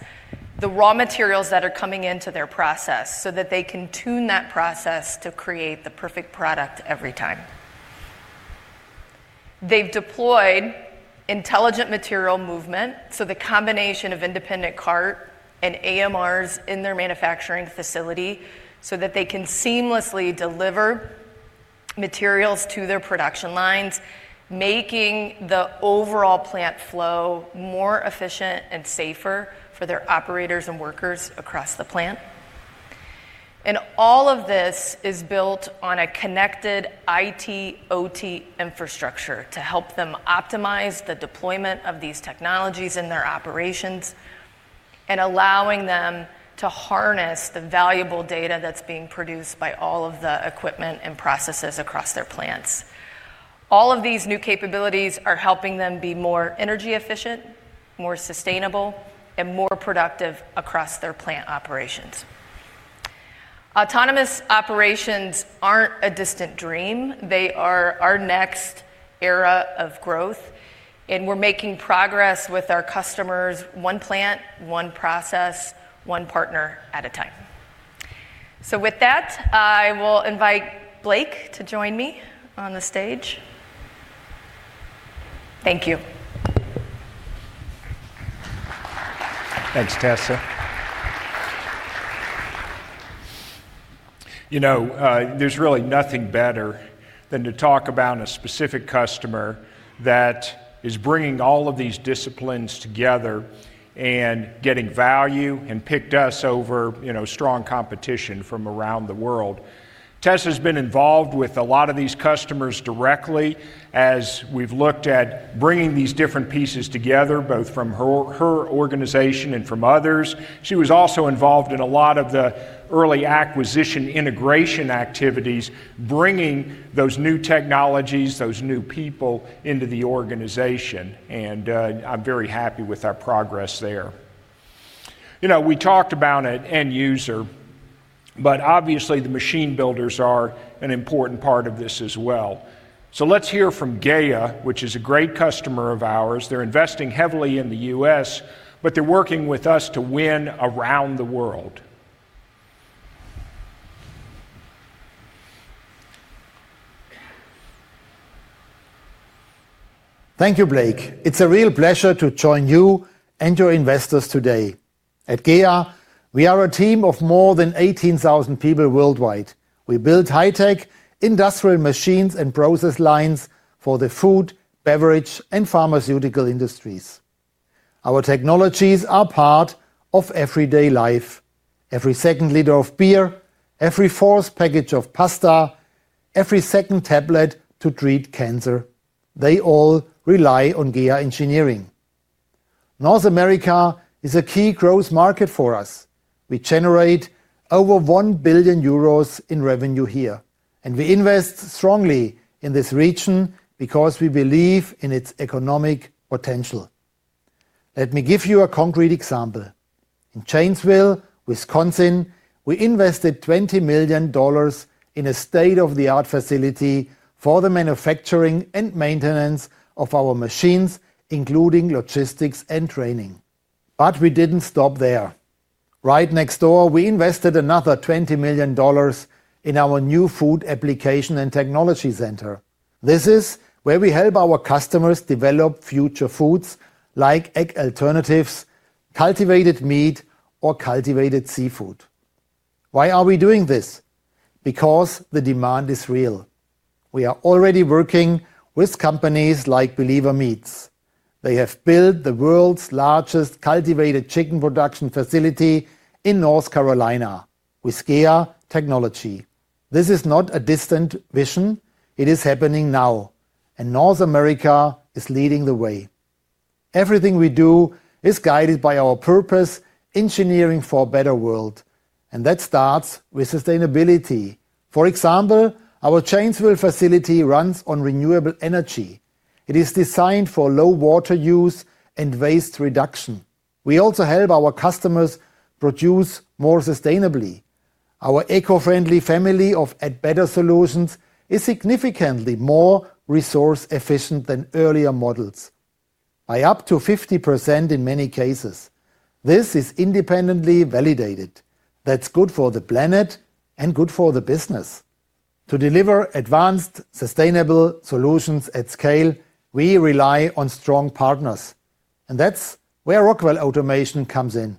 F: the raw materials that are coming into their process so that they can tune that process to create the perfect product every time. They have deployed intelligent material movement, so the combination of independent cart and AMRs in their manufacturing facility so that they can seamlessly deliver materials to their production lines, making the overall plant flow more efficient and safer for their operators and workers across the plant. All of this is built on a connected IT OT infrastructure to help them optimize the deployment of these technologies in their operations and allowing them to harness the valuable data that's being produced by all of the equipment and processes across their plants. All of these new capabilities are helping them be more energy efficient, more sustainable, and more productive across their plant operations. Autonomous operations are not a distant dream. They are our next era of growth. We are making progress with our customers, one plant, one process, one partner at a time. With that, I will invite Blake to join me on the stage. Thank you.
C: Thanks, Tessa. You know, there's really nothing better than to talk about a specific customer that is bringing all of these disciplines together and getting value and picked us over, you know, strong competition from around the world. Tessa has been involved with a lot of these customers directly as we've looked at bringing these different pieces together, both from her organization and from others. She was also involved in a lot of the early acquisition integration activities, bringing those new technologies, those new people into the organization. I'm very happy with our progress there. You know, we talked about an end user, but obviously the machine builders are an important part of this as well. Let's hear from GAIA, which is a great customer of ours. They're investing heavily in the U.S., but they're working with us to win around the world. Thank you, Blake. It's a real pleasure to join you and your investors today. At GAIA, we are a team of more than 18,000 people worldwide. We build high-tech industrial machines and process lines for the food, beverage, and pharmaceutical industries. Our technologies are part of everyday life. Every second liter of beer, every fourth package of pasta, every second tablet to treat cancer, they all rely on GAIA engineering. North America is a key growth market for us. We generate over 1 billion euros in revenue here, and we invest strongly in this region because we believe in its economic potential. Let me give you a concrete example. In Chainesville, Wisconsin, we invested $20 million in a state-of-the-art facility for the manufacturing and maintenance of our machines, including logistics and training. We did not stop there. Right next door, we invested another $20 million in our new food application and technology center. This is where we help our customers develop future foods like egg alternatives, cultivated meat, or cultivated seafood. Why are we doing this? Because the demand is real. We are already working with companies like Believer Meats. They have built the world's largest cultivated chicken production facility in North Carolina with GAIA technology. This is not a distant vision. It is happening now. North America is leading the way. Everything we do is guided by our purpose: engineering for a better world. That starts with sustainability. For example, our Chainesville facility runs on renewable energy. It is designed for low water use and waste reduction. We also help our customers produce more sustainably. Our eco-friendly family of At Better Solutions is significantly more resource-efficient than earlier models, by up to 50% in many cases. This is independently validated. That's good for the planet and good for the business. To deliver advanced, sustainable solutions at scale, we rely on strong partners. That is where Rockwell Automation comes in.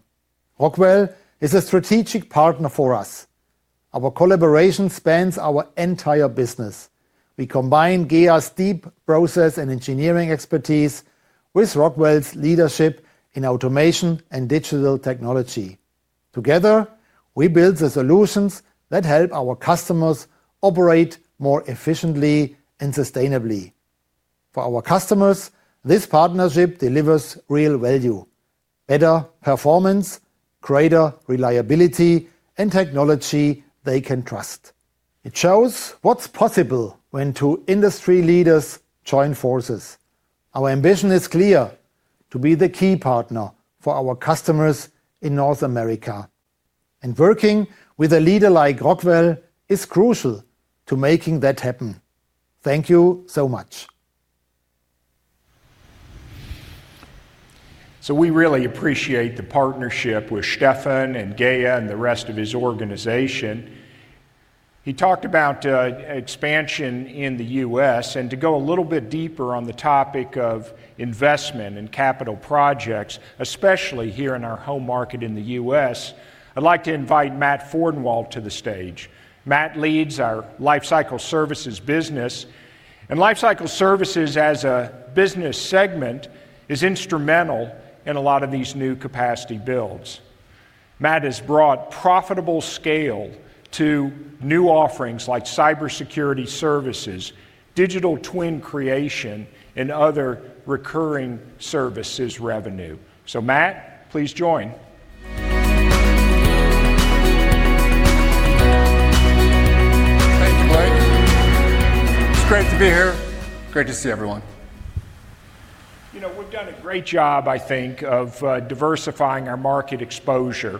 C: Rockwell is a strategic partner for us. Our collaboration spans our entire business. We combine GAIA's deep process and engineering expertise with Rockwell's leadership in automation and digital technology. Together, we build the solutions that help our customers operate more efficiently and sustainably. For our customers, this partnership delivers real value: better performance, greater reliability, and technology they can trust. It shows what is possible when two industry leaders join forces. Our ambition is clear: to be the key partner for our customers in North America. Working with a leader like Rockwell is crucial to making that happen. Thank you so much. We really appreciate the partnership with Stefan and GAIA and the rest of his organization. He talked about expansion in the U.S. To go a little bit deeper on the topic of investment and capital projects, especially here in our home market in the U.S., I'd like to invite Matt Fordenwalt to the stage. Matt leads our Lifecycle Services business. Lifecycle Services as a business segment is instrumental in a lot of these new capacity builds. Matt has brought profitable scale to new offerings like cybersecurity services, digital twin creation, and other recurring services revenue. Matt, please join.
G: Thank you, Blake. It's great to be here. Great to see everyone.
C: You know, we've done a great job, I think, of diversifying our market exposure.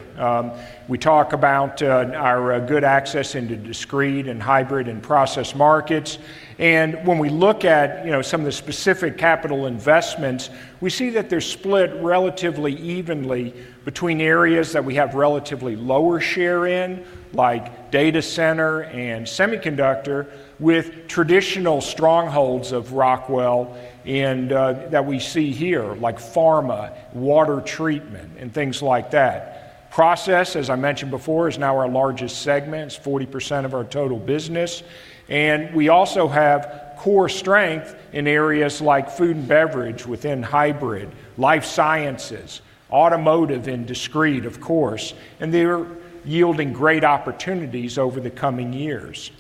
C: We talk about our good access into discrete and hybrid and process markets. When we look at, you know, some of the specific capital investments, we see that they're split relatively evenly between areas that we have relatively lower share in, like data center and semiconductor, with traditional strongholds of Rockwell that we see here, like pharma, water treatment, and things like that. Process, as I mentioned before, is now our largest segment, 40% of our total business. We also have core strength in areas like food and beverage within hybrid, life sciences, automotive, and discrete, of course. They're yielding great opportunities over the coming years.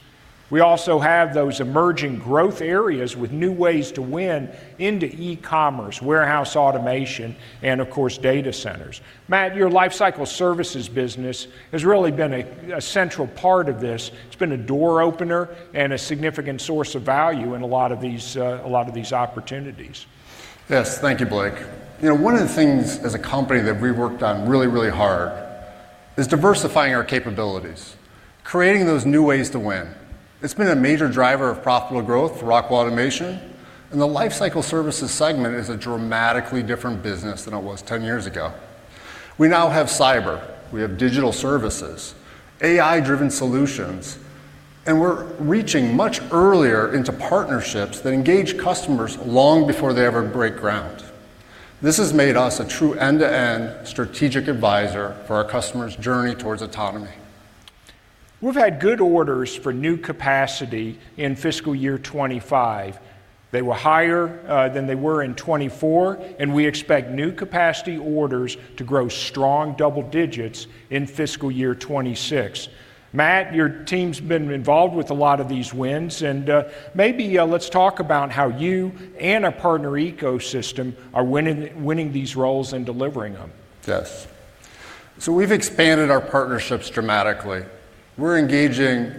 C: We also have those emerging growth areas with new ways to win into e-commerce, warehouse automation, and of course, data centers. Matt, your lifecycle services business has really been a central part of this. It's been a door opener and a significant source of value in a lot of these opportunities.
G: Yes, thank you, Blake. You know, one of the things as a company that we've worked on really, really hard is diversifying our capabilities, creating those new ways to win. It's been a major driver of profitable growth for Rockwell Automation. The lifecycle services segment is a dramatically different business than it was 10 years ago. We now have cyber. We have digital services, AI-driven solutions. We are reaching much earlier into partnerships that engage customers long before they ever break ground. This has made us a true end-to-end strategic advisor for our customers' journey towards autonomy.
C: We've had good orders for new capacity in fiscal year 2025. They were higher than they were in 2024. We expect new capacity orders to grow strong double-digits in fiscal year 2026. Matt, your team's been involved with a lot of these wins. Maybe let's talk about how you and a partner ecosystem are winning these roles and delivering them.
G: Yes. We have expanded our partnerships dramatically. We are engaging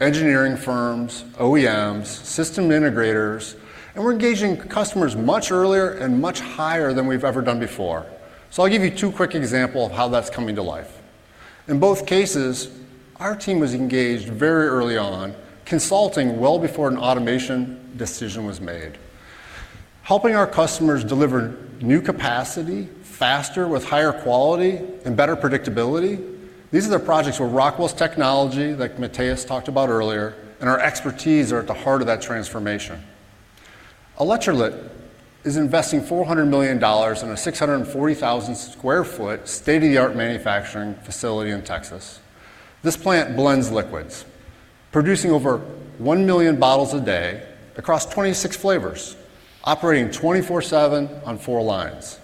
G: engineering firms, OEMs, system integrators, and we are engaging customers much earlier and much higher than we have ever done before. I will give you two quick examples of how that is coming to life. In both cases, our team was engaged very early on, consulting well before an automation decision was made. Helping our customers deliver new capacity faster, with higher quality and better predictability, these are the projects where Rockwell's technology, like Mateus talked about earlier, and our expertise are at the heart of that transformation. Electrolyt is investing $400 million in a 640,000 sq ft state-of-the-art manufacturing facility in Texas. This plant blends liquids, producing over 1 million bottles a day across 26 flavors, operating 24/7 on four lines.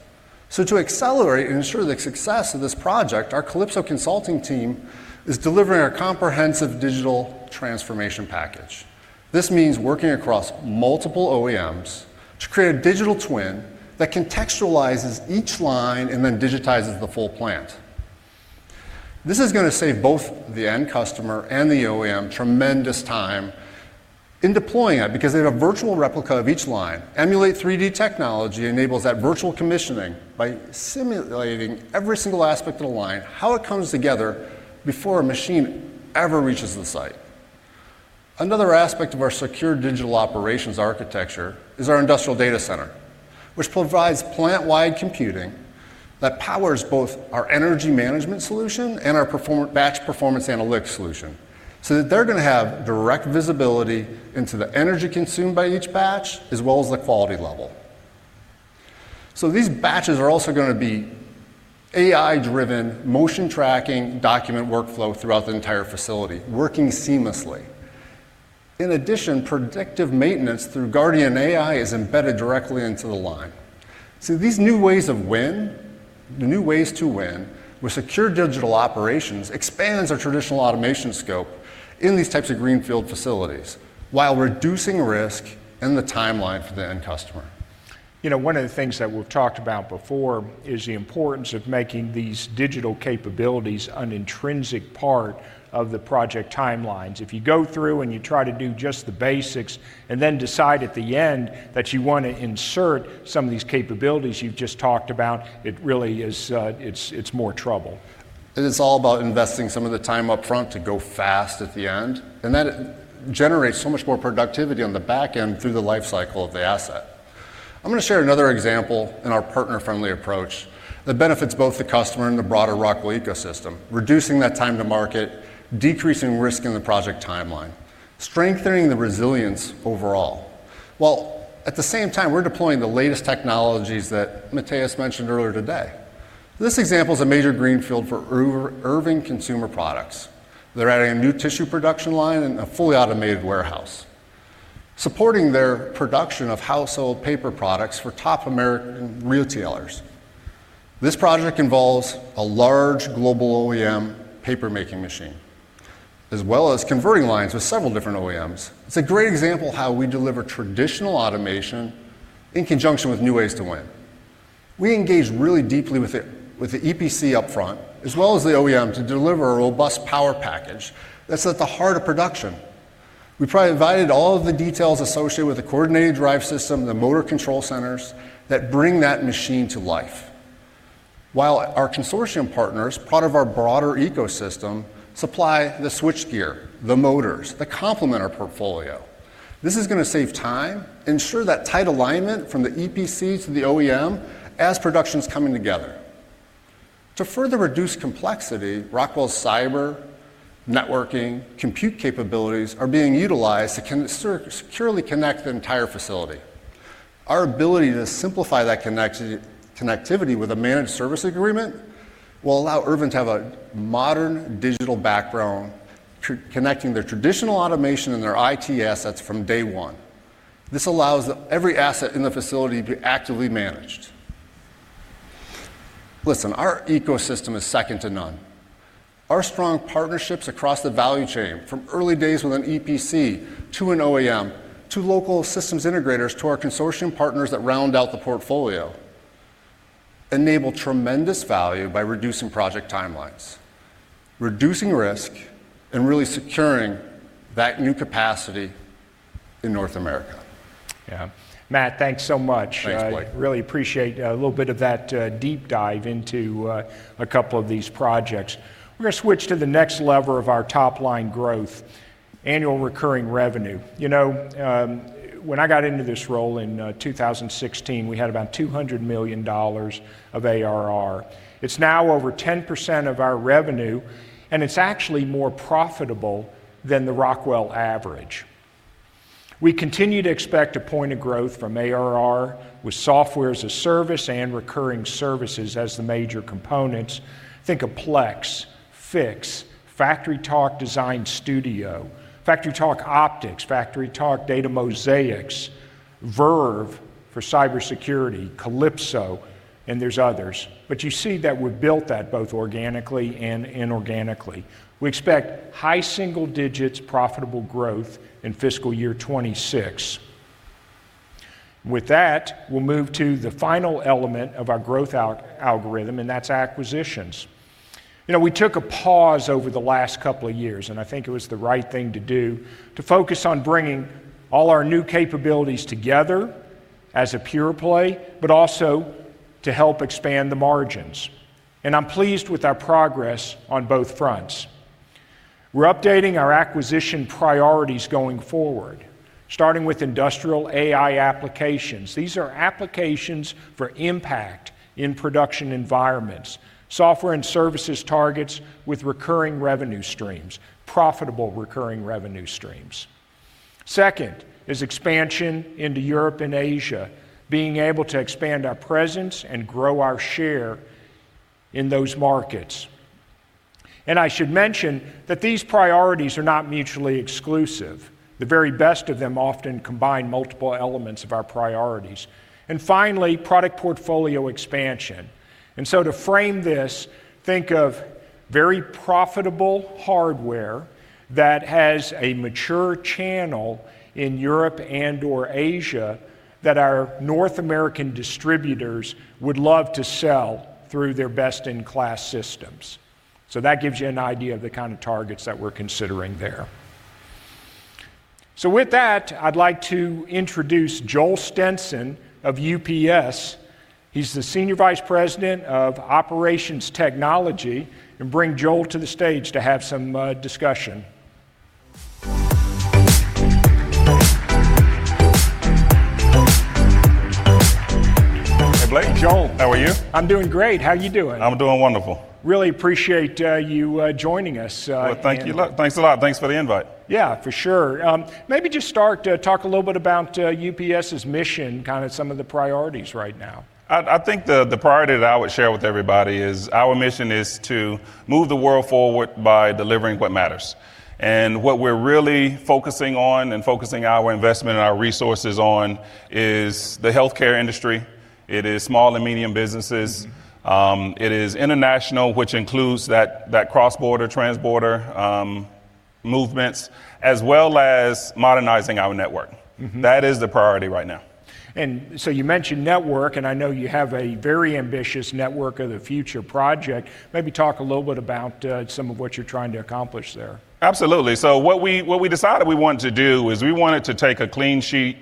G: To accelerate and ensure the success of this project, our Calypso consulting team is delivering a comprehensive digital transformation package. This means working across multiple OEMs to create a digital twin that contextualizes each line and then digitizes the full plant. This is going to save both the end customer and the OEM tremendous time in deploying it because they have a virtual replica of each line. Emulate 3D technology enables that virtual commissioning by simulating every single aspect of the line, how it comes together before a machine ever reaches the site. Another aspect of our secure digital operations architecture is our industrial data center, which provides plant-wide computing that powers both our energy management solution and our batch performance analytics solution, so that they're going to have direct visibility into the energy consumed by each batch as well as the quality level. These batches are also going to be AI-driven motion tracking document workflow throughout the entire facility, working seamlessly. In addition, predictive maintenance through Guardian AI is embedded directly into the line. These new ways to win with secure digital operations expand our traditional automation scope in these types of greenfield facilities while reducing risk and the timeline for the end customer.
C: You know, one of the things that we've talked about before is the importance of making these digital capabilities an intrinsic part of the project timelines. If you go through and you try to do just the basics and then decide at the end that you want to insert some of these capabilities you've just talked about, it really is, it's more trouble.
G: It is all about investing some of the time upfront to go fast at the end. That generates so much more productivity on the back end through the lifecycle of the asset. I'm going to share another example in our partner-friendly approach that benefits both the customer and the broader Rockwell ecosystem, reducing that time to market, decreasing risk in the project timeline, strengthening the resilience overall. At the same time, we are deploying the latest technologies that Mateus mentioned earlier today. This example is a major greenfield for Irving Consumer Products. They are adding a new tissue production line and a fully automated warehouse, supporting their production of household paper products for top American retailers. This project involves a large global OEM paper-making machine, as well as converting lines with several different OEMs. It's a great example of how we deliver traditional automation in conjunction with new ways to win. We engage really deeply with the EPC upfront, as well as the OEM, to deliver a robust power package that's at the heart of production. We provided all of the details associated with the coordinated drive system and the motor control centers that bring that machine to life, while our consortium partners, part of our broader ecosystem, supply the switchgear, the motors, that complement our portfolio. This is going to save time and ensure that tight alignment from the EPC to the OEM as production's coming together. To further reduce complexity, Rockwell's cyber networking compute capabilities are being utilized to securely connect the entire facility. Our ability to simplify that connectivity with a managed service agreement will allow Irving to have a modern digital background connecting their traditional automation and their IT assets from day one. This allows every asset in the facility to be actively managed. Listen, our ecosystem is second to none. Our strong partnerships across the value chain, from early days with an EPC to an OEM to local systems integrators to our consortium partners that round out the portfolio, enable tremendous value by reducing project timelines, reducing risk, and really securing that new capacity in North America.
C: Yeah. Matt, thanks so much.
G: Thanks, Blake.
C: Really appreciate a little bit of that deep dive into a couple of these projects. We're going to switch to the next lever of our top-line growth, annual recurring revenue. You know, when I got into this role in 2016, we had about $200 million of ARR. It's now over 10% of our revenue. And it's actually more profitable than the Rockwell average. We continue to expect a point of growth from ARR with software as a service and recurring services as the major components. Think of Plex, Fiix, FactoryTalk Design Studio, FactoryTalk Optics, FactoryTalk Data Mosaics, Verve for cybersecurity, Calypso, and there's others. But you see that we've built that both organically and inorganically. We expect high single-digit profitable growth in fiscal year 2026. With that, we'll move to the final element of our growth algorithm, and that's acquisitions. You know, we took a pause over the last couple of years, and I think it was the right thing to do to focus on bringing all our new capabilities together as a pure play, but also to help expand the margins. I'm pleased with our progress on both fronts. We're updating our acquisition priorities going forward, starting with industrial AI applications. These are applications for impact in production environments, software and services targets with recurring revenue streams, profitable recurring revenue streams. Second is expansion into Europe and Asia, being able to expand our presence and grow our share in those markets. I should mention that these priorities are not mutually exclusive. The very best of them often combine multiple elements of our priorities. Finally, product portfolio expansion. To frame this, think of very profitable hardware that has a mature channel in Europe and/or Asia that our North American distributors would love to sell through their best-in-class systems. That gives you an idea of the kind of targets that we're considering there. With that, I'd like to introduce Joel Stenson of UPS. He's the Senior Vice President of Operations Technology. I will bring Joel to the stage to have some discussion.
H: Blake. How are you?
C: Joel. I'm doing great. How are you doing?
H: I'm doing wonderful.
C: Really appreciate you joining us.
H: Thank you. Thanks a lot. Thanks for the invite.
C: Yeah, for sure. Maybe just start to talk a little bit about UPS's mission, kind of some of the priorities right now.
H: I think the priority that I would share with everybody is our mission is to move the world forward by delivering what matters. What we are really focusing on and focusing our investment and our resources on is the healthcare industry. It is small and medium businesses. It is international, which includes that cross-border, trans-border movements, as well as modernizing our network. That is the priority right now.
C: You mentioned network, and I know you have a very ambitious network of the future project. Maybe talk a little bit about some of what you're trying to accomplish there.
H: Absolutely. What we decided we wanted to do is we wanted to take a clean-sheet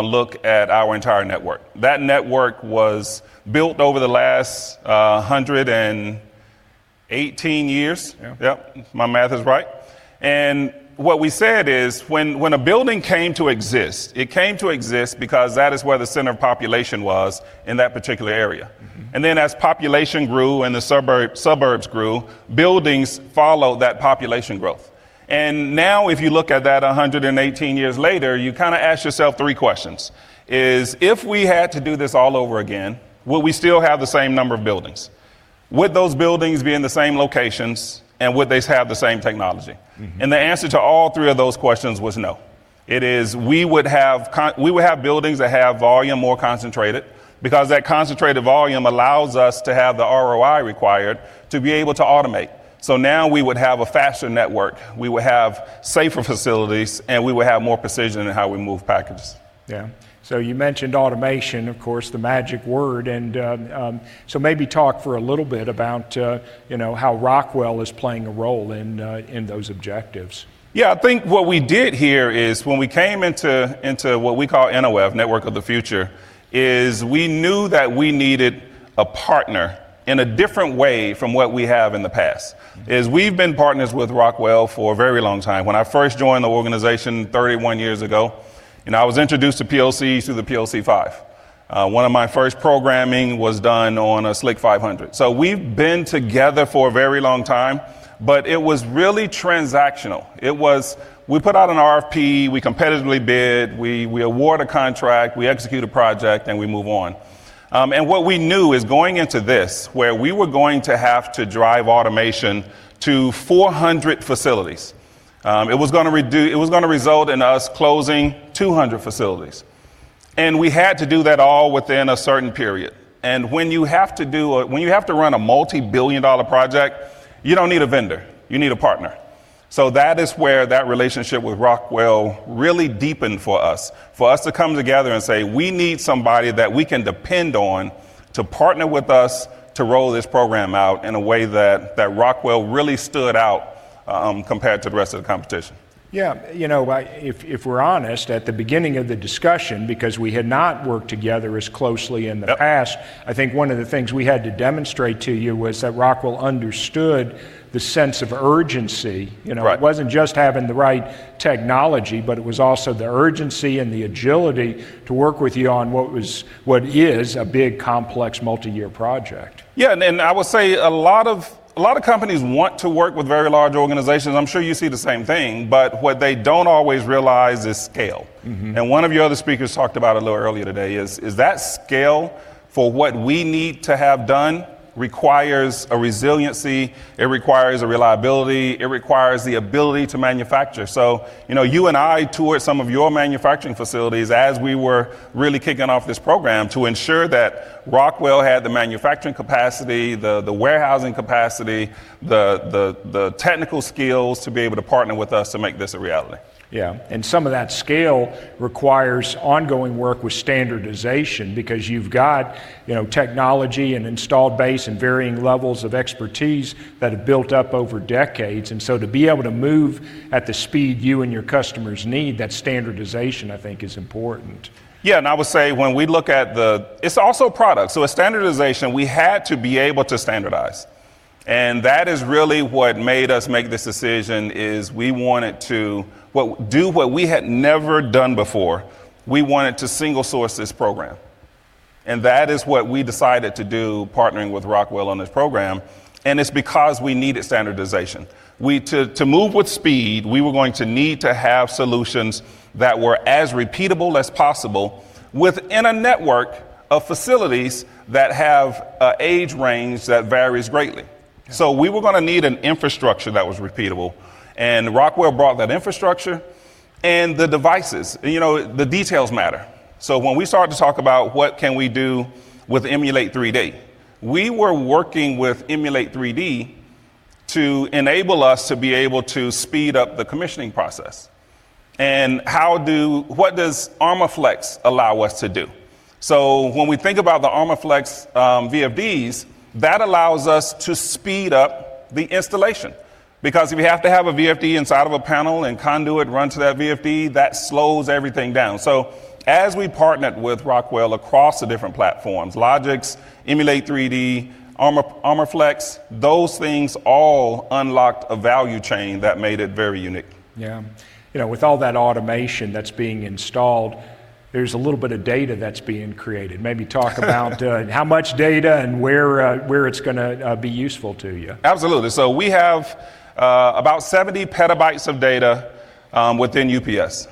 H: look at our entire network. That network was built over the last 118 years. Yep, my math is right. What we said is when a building came to exist, it came to exist because that is where the center of population was in that particular area. As population grew and the suburbs grew, buildings followed that population growth. Now if you look at that 118 years later, you kind of ask yourself three questions. If we had to do this all over again, would we still have the same number of buildings? Would those buildings be in the same locations, and would they have the same technology? The answer to all three of those questions was no. It is we would have buildings that have volume more concentrated because that concentrated volume allows us to have the ROI required to be able to automate. We would have a faster network. We would have safer facilities, and we would have more precision in how we move packages.
C: Yeah. You mentioned automation, of course, the magic word. Maybe talk for a little bit about how Rockwell is playing a role in those objectives.
H: Yeah. I think what we did here is when we came into what we call NOF, Network of the Future, is we knew that we needed a partner in a different way from what we have in the past. We've been partners with Rockwell for a very long time. When I first joined the organization 31 years ago, I was introduced to PLCs through the PLC-5. One of my first programming was done on a SLC 500. We've been together for a very long time, it was really transactional. We put out an RFP, we competitively bid, we award a contract, we execute a project, and we move on. What we knew is going into this, where we were going to have to drive automation to 400 facilities, it was going to result in us closing 200 facilities. We had to do that all within a certain period. When you have to run a multi-billion dollar project, you do not need a vendor. You need a partner. That is where that relationship with Rockwell really deepened for us, for us to come together and say, we need somebody that we can depend on to partner with us to roll this program out in a way that Rockwell really stood out compared to the rest of the competition.
C: Yeah. You know, if we're honest, at the beginning of the discussion, because we had not worked together as closely in the past, I think one of the things we had to demonstrate to you was that Rockwell understood the sense of urgency. It wasn't just having the right technology, but it was also the urgency and the agility to work with you on what is a big, complex, multi-year project.
H: Yeah. I will say a lot of companies want to work with very large organizations. I'm sure you see the same thing. What they don't always realize is scale. One of your other speakers talked about it a little earlier today is that scale for what we need to have done requires a resiliency. It requires a reliability. It requires the ability to manufacture. You and I toured some of your manufacturing facilities as we were really kicking off this program to ensure that Rockwell had the manufacturing capacity, the warehousing capacity, the technical skills to be able to partner with us to make this a reality.
C: Yeah. Some of that scale requires ongoing work with standardization because you've got technology and installed base and varying levels of expertise that have built up over decades. To be able to move at the speed you and your customers need, that standardization, I think, is important.
H: Yeah. I would say when we look at the, it's also a product. A standardization, we had to be able to standardize. That is really what made us make this decision is we wanted to do what we had never done before. We wanted to single-source this program. That is what we decided to do, partnering with Rockwell on this program. It's because we needed standardization. To move with speed, we were going to need to have solutions that were as repeatable as possible within a network of facilities that have an age range that varies greatly. We were going to need an infrastructure that was repeatable. Rockwell brought that infrastructure. The devices, the details matter. When we started to talk about what can we do with Emulate 3D, we were working with Emulate 3D to enable us to be able to speed up the commissioning process. What does Armaflex allow us to do? When we think about the Armaflex VFDs, that allows us to speed up the installation because if you have to have a VFD inside of a panel and conduit run to that VFD, that slows everything down. As we partnered with Rockwell across the different platforms, Logix, Emulate 3D, Armaflex, those things all unlocked a value chain that made it very unique.
C: Yeah. You know, with all that automation that's being installed, there's a little bit of data that's being created. Maybe talk about how much data and where it's going to be useful to you.
H: Absolutely. We have about 70 PB of data within UPS.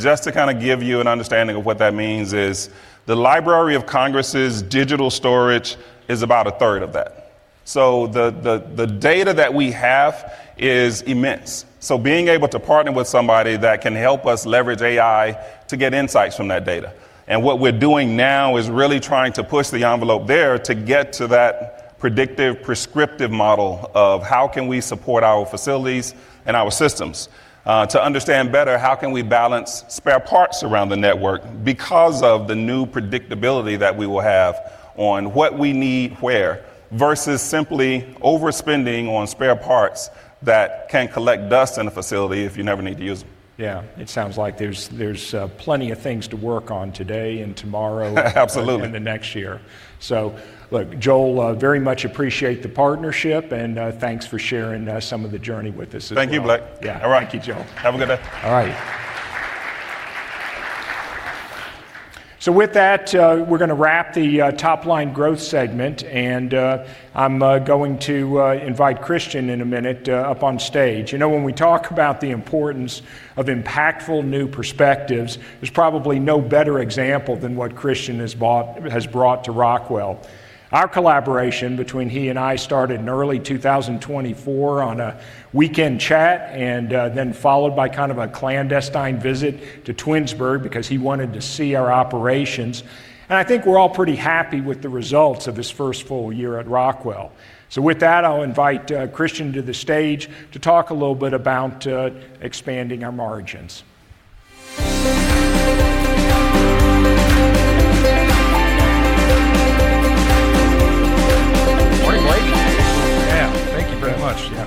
H: Just to kind of give you an understanding of what that means, the Library of Congress's digital storage is about a third of that. The data that we have is immense. Being able to partner with somebody that can help us leverage AI to get insights from that data is important. What we are doing now is really trying to push the envelope there to get to that predictive, prescriptive model of how can we support our facilities and our systems to understand better how can we balance spare parts around the network because of the new predictability that we will have on what we need where versus simply overspending on spare parts that can collect dust in a facility if you never need to use them.
C: Yeah. It sounds like there's plenty of things to work on today and tomorrow.
H: Absolutely.
C: Look, Joel, very much appreciate the partnership. And thanks for sharing some of the journey with us as well.
H: Thank you, Blake.
C: Yeah.
H: All right.
C: Thank you, Joel.
H: Have a good day.
C: All right. With that, we're going to wrap the top-line growth segment. I'm going to invite Christian in a minute up on stage. You know, when we talk about the importance of impactful new perspectives, there's probably no better example than what Christian has brought to Rockwell. Our collaboration between he and I started in early 2024 on a weekend chat and then followed by kind of a clandestine visit to Twinsburg because he wanted to see our operations. I think we're all pretty happy with the results of his first full year at Rockwell. With that, I'll invite Christian to the stage to talk a little bit about expanding our margins.
I: Morning,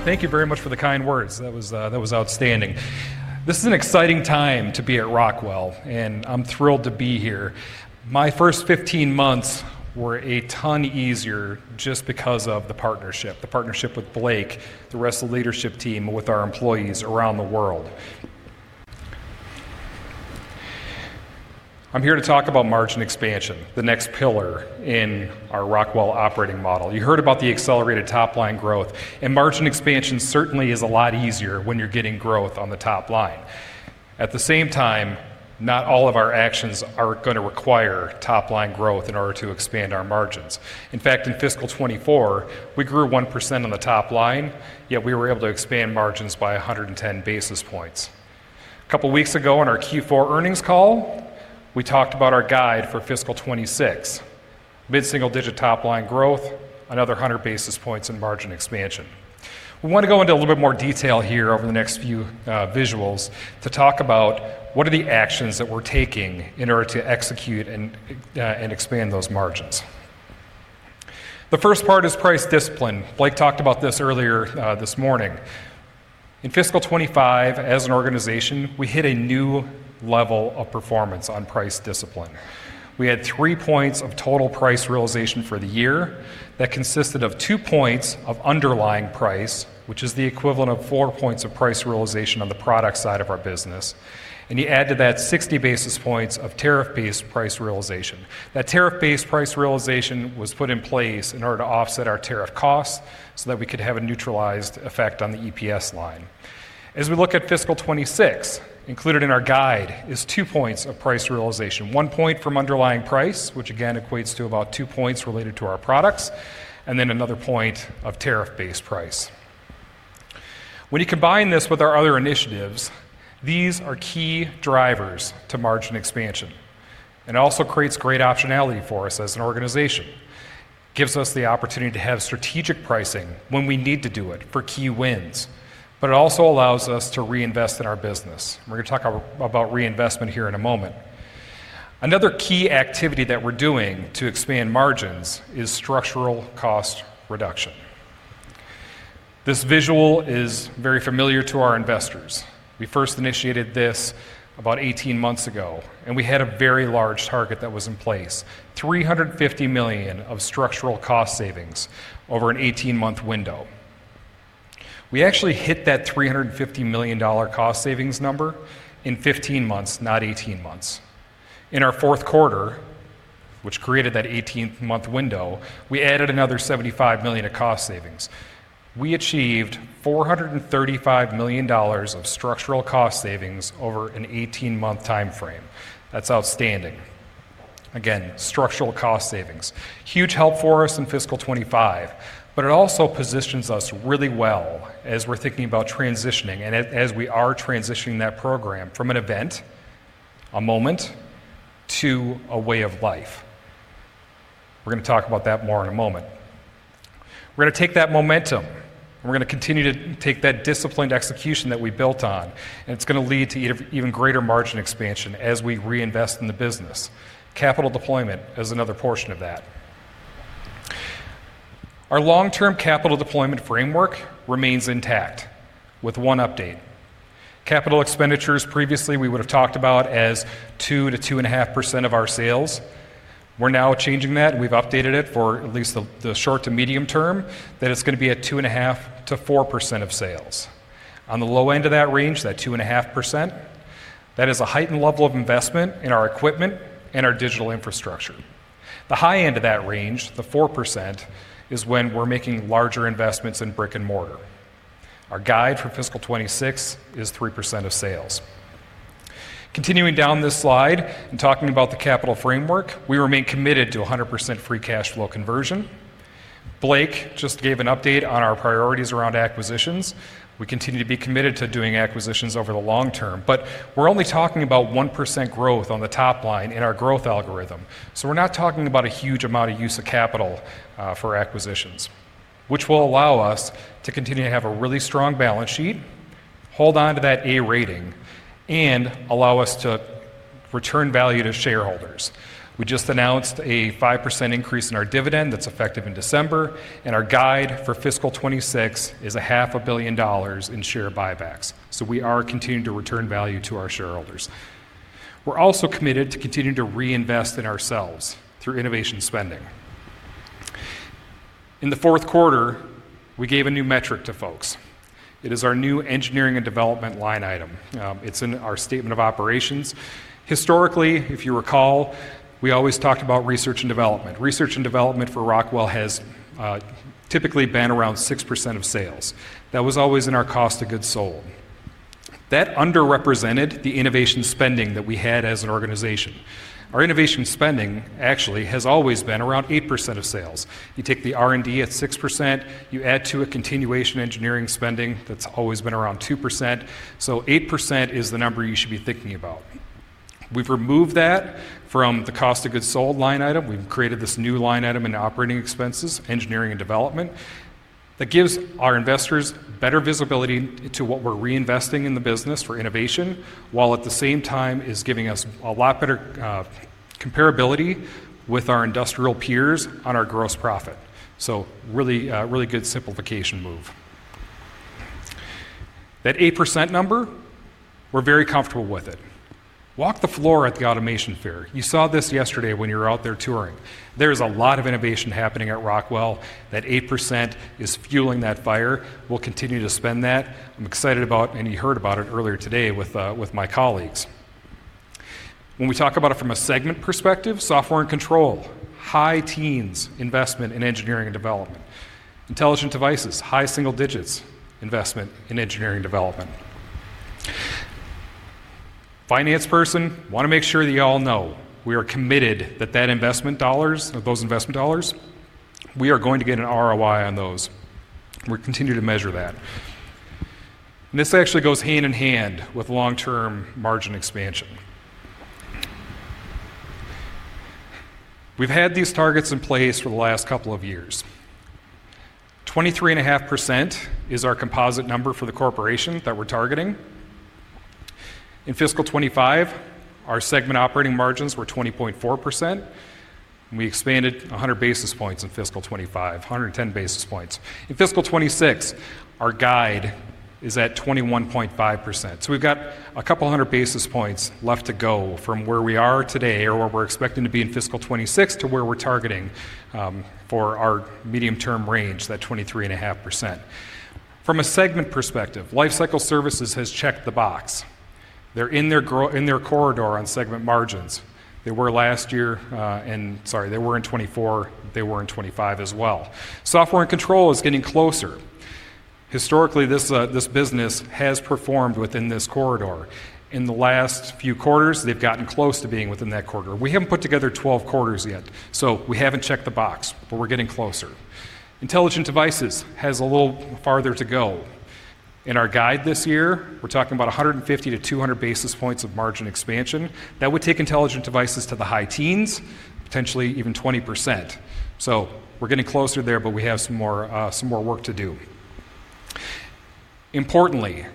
I: Blake. Yeah. Thank you very much. Thank you very much for the kind words. That was outstanding. This is an exciting time to be at Rockwell, and I'm thrilled to be here. My first 15 months were a ton easier just because of the partnership, the partnership with Blake, the rest of the leadership team, with our employees around the world. I'm here to talk about margin expansion, the next pillar in our Rockwell operating model. You heard about the accelerated top-line growth. Margin expansion certainly is a lot easier when you're getting growth on the top line. At the same time, not all of our actions are going to require top-line growth in order to expand our margins. In fact, in fiscal 2024, we grew 1% on the top line, yet we were able to expand margins by 110 basis points. A couple of weeks ago on our Q4 earnings call, we talked about our guide for fiscal 2026, mid-single-digit top-line growth, another 100 basis points in margin expansion. We want to go into a little bit more detail here over the next few visuals to talk about what are the actions that we're taking in order to execute and expand those margins. The first part is price discipline. Blake talked about this earlier this morning. In fiscal 2025, as an organization, we hit a new level of performance on price discipline. We had three points of total price realization for the year that consisted of two points of underlying price, which is the equivalent of four points of price realization on the product side of our business. You add to that 60 basis points of tariff-based price realization. That tariff-based price realization was put in place in order to offset our tariff costs so that we could have a neutralized effect on the EPS line. As we look at fiscal 2026, included in our guide is two points of price realization, one point from underlying price, which again equates to about two points related to our products, and then another point of tariff-based price. When you combine this with our other initiatives, these are key drivers to margin expansion. It also creates great optionality for us as an organization. It gives us the opportunity to have strategic pricing when we need to do it for key wins. It also allows us to reinvest in our business. We're going to talk about reinvestment here in a moment. Another key activity that we're doing to expand margins is structural cost reduction. This visual is very familiar to our investors. We first initiated this about 18 months ago, and we had a very large target that was in place, $350 million of structural cost savings over an 18-month window. We actually hit that $350 million cost savings number in 15 months, not 18 months. In our fourth quarter, which created that 18-month window, we added another $75 million of cost savings. We achieved $435 million of structural cost savings over an 18-month time frame. That is outstanding. Again, structural cost savings, huge help for us in fiscal 2025. It also positions us really well as we are thinking about transitioning and as we are transitioning that program from an event, a moment, to a way of life. We are going to talk about that more in a moment. We are going to take that momentum. We're going to continue to take that disciplined execution that we built on. It is going to lead to even greater margin expansion as we reinvest in the business. Capital deployment is another portion of that. Our long-term capital deployment framework remains intact with one update. Capital expenditures previously we would have talked about as 2%-2.5% of our sales. We're now changing that. We've updated it for at least the short to medium term that it's going to be at 2.5%-4% of sales. On the low end of that range, that 2.5%, that is a heightened level of investment in our equipment and our digital infrastructure. The high end of that range, the 4%, is when we're making larger investments in brick and mortar. Our guide for fiscal 2026 is 3% of sales. Continuing down this slide and talking about the capital framework, we remain committed to 100% free cash flow conversion. Blake just gave an update on our priorities around acquisitions. We continue to be committed to doing acquisitions over the long term. We are only talking about 1% growth on the top line in our growth algorithm. We are not talking about a huge amount of use of capital for acquisitions, which will allow us to continue to have a really strong balance sheet, hold on to that A rating, and allow us to return value to shareholders. We just announced a 5% increase in our dividend that is effective in December. Our guide for fiscal 2026 is $500,000,000 in share buybacks. We are continuing to return value to our shareholders. We are also committed to continuing to reinvest in ourselves through innovation spending. In the fourth quarter, we gave a new metric to folks. It is our new engineering and development line item. It's in our statement of operations. Historically, if you recall, we always talked about research and development. Research and development for Rockwell Automation has typically been around 6% of sales. That was always in our cost of goods sold. That underrepresented the innovation spending that we had as an organization. Our innovation spending actually has always been around 8% of sales. You take the R&D at 6%. You add to a continuation engineering spending that's always been around 2%. So 8% is the number you should be thinking about. We've removed that from the cost of goods sold line item. We've created this new line item in operating expenses, engineering and development. That gives our investors better visibility to what we're reinvesting in the business for innovation while at the same time is giving us a lot better comparability with our industrial peers on our gross profit. Really good simplification move. That 8% number, we're very comfortable with it. Walk the floor at the Automation Fair. You saw this yesterday when you were out there touring. There is a lot of innovation happening at Rockwell Automation. That 8% is fueling that fire. We'll continue to spend that. I'm excited about, and you heard about it earlier today with my colleagues. When we talk about it from a segment perspective, software and control, high teens investment in engineering and development. Intelligent devices, high single digits investment in engineering and development. Finance person, want to make sure that you all know we are committed that investment dollars, of those investment dollars, we are going to get an ROI on those. We continue to measure that. This actually goes hand in hand with long-term margin expansion. We've had these targets in place for the last couple of years. 23.5% is our composite number for the corporation that we're targeting. In fiscal 2025, our segment operating margins were 20.4%. We expanded 100 basis points in fiscal 2025, 110 basis points. In fiscal 2026, our guide is at 21.5%. We've got a couple hundred basis points left to go from where we are today or where we're expecting to be in fiscal 2026 to where we're targeting for our medium-term range, that 23.5%. From a segment perspective, Lifecycle Services has checked the box. They're in their corridor on segment margins. They were last year in, sorry, they were in 2024. They were in 2025 as well. Software and control is getting closer. Historically, this business has performed within this corridor. In the last few quarters, they've gotten close to being within that quarter. We haven't put together 12 quarters yet. So we haven't checked the box, but we're getting closer. Intelligent devices has a little farther to go. In our guide this year, we're talking about 150-200 basis points of margin expansion. That would take intelligent devices to the high teens, potentially even 20%. We're getting closer there, but we have some more work to do. Importantly,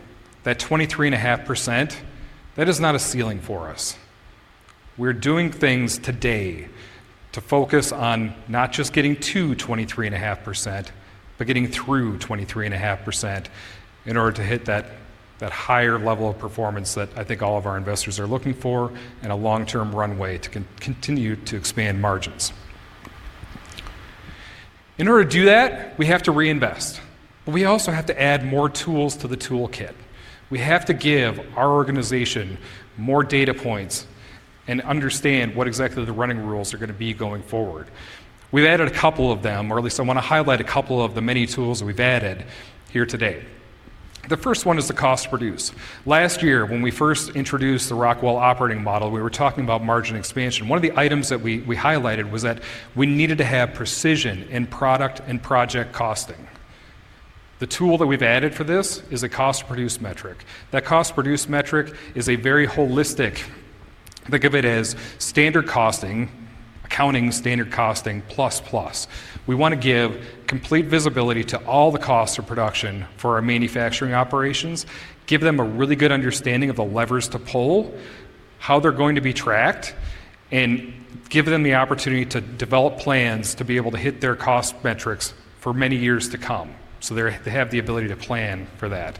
I: that 23.5%, that is not a ceiling for us. We're doing things today to focus on not just getting to 23.5%, but getting through 23.5% in order to hit that higher level of performance that I think all of our investors are looking for and a long-term runway to continue to expand margins. In order to do that, we have to reinvest. We also have to add more tools to the toolkit. We have to give our organization more data points and understand what exactly the running rules are going to be going forward. We've added a couple of them, or at least I want to highlight a couple of the many tools that we've added here today. The first one is the cost to produce. Last year, when we first introduced the Rockwell operating model, we were talking about margin expansion. One of the items that we highlighted was that we needed to have precision in product and project costing. The tool that we've added for this is a cost to produce metric. That cost to produce metric is very holistic. Think of it as standard costing, accounting standard costing plus plus. We want to give complete visibility to all the costs of production for our manufacturing operations, give them a really good understanding of the levers to pull, how they're going to be tracked, and give them the opportunity to develop plans to be able to hit their cost metrics for many years to come. They have the ability to plan for that,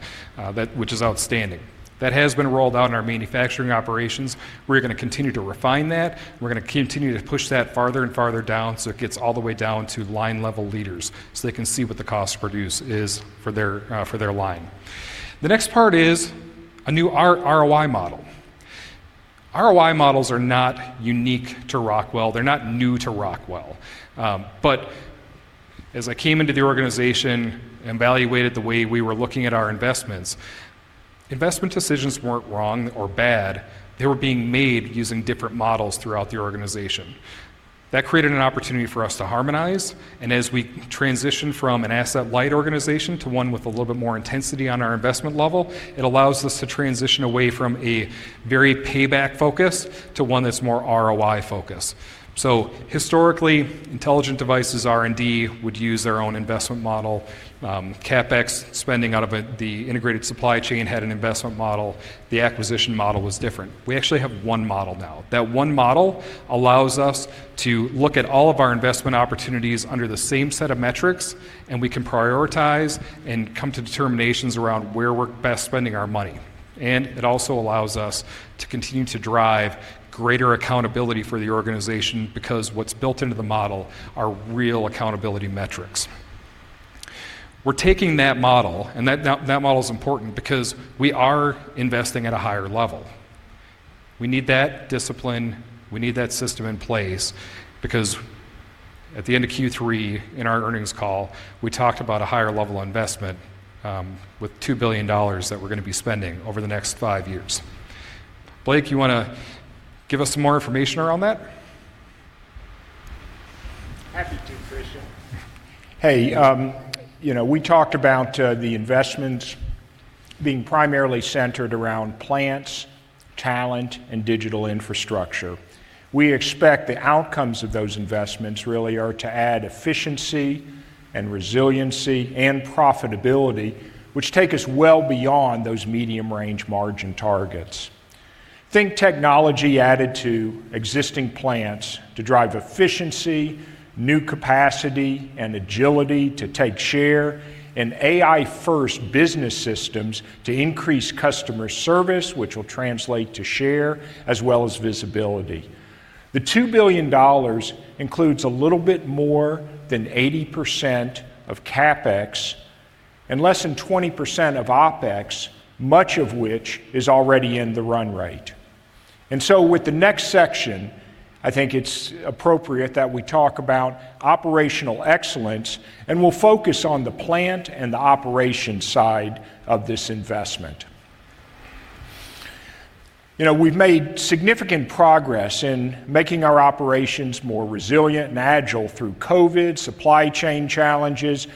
I: which is outstanding. That has been rolled out in our manufacturing operations. We're going to continue to refine that. We're going to continue to push that farther and farther down so it gets all the way down to line-level leaders so they can see what the cost to produce is for their line. The next part is a new ROI model. ROI models are not unique to Rockwell. They're not new to Rockwell. As I came into the organization and evaluated the way we were looking at our investments, investment decisions weren't wrong or bad. They were being made using different models throughout the organization. That created an opportunity for us to harmonize. As we transition from an asset-light organization to one with a little bit more intensity on our investment level, it allows us to transition away from a very payback-focused to one that's more ROI-focused. Historically, intelligent devices R&D would use their own investment model. CapEx spending out of the integrated supply chain had an investment model. The acquisition model was different. We actually have one model now. That one model allows us to look at all of our investment opportunities under the same set of metrics, and we can prioritize and come to determinations around where we're best spending our money. It also allows us to continue to drive greater accountability for the organization because what's built into the model are real accountability metrics. We're taking that model, and that model is important because we are investing at a higher level. We need that discipline. We need that system in place because at the end of Q3 in our earnings call, we talked about a higher level of investment with $2 billion that we're going to be spending over the next five years. Blake, you want to give us some more information around that?
C: Happy to, Christian. Hey, we talked about the investments being primarily centered around plants, talent, and digital infrastructure. We expect the outcomes of those investments really are to add efficiency and resiliency and profitability, which take us well beyond those medium-range margin targets. Think technology added to existing plants to drive efficiency, new capacity, and agility to take share, and AI-first business systems to increase customer service, which will translate to share, as well as visibility. The $2 billion includes a little bit more than 80% of CapEx and less than 20% of OpEx, much of which is already in the run rate. With the next section, I think it's appropriate that we talk about operational excellence, and we'll focus on the plant and the operation side of this investment. We've made significant progress in making our operations more resilient and agile through COVID, supply chain challenges.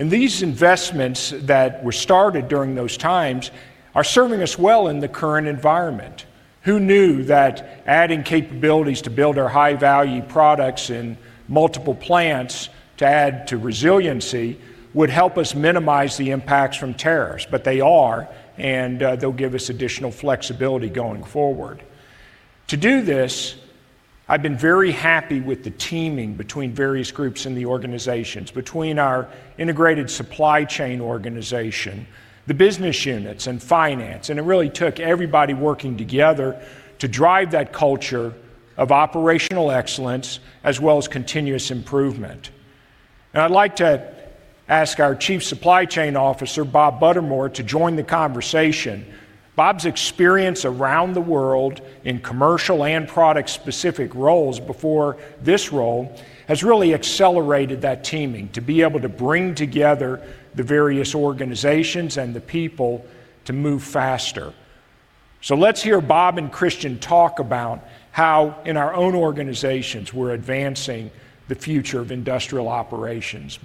C: These investments that were started during those times are serving us well in the current environment. Who knew that adding capabilities to build our high-value products in multiple plants to add to resiliency would help us minimize the impacts from tariffs? They are, and they'll give us additional flexibility going forward. To do this, I've been very happy with the teaming between various groups in the organizations, between our integrated supply chain organization, the business units, and finance. It really took everybody working together to drive that culture of operational excellence as well as continuous improvement. I'd like to ask our Chief Supply Chain Officer, Bob Buttermore, to join the conversation. Bob's experience around the world in commercial and product-specific roles before this role has really accelerated that teaming to be able to bring together the various organizations and the people to move faster. Let's hear Bob and Christian talk about how in our own organizations we're advancing the future of industrial operations.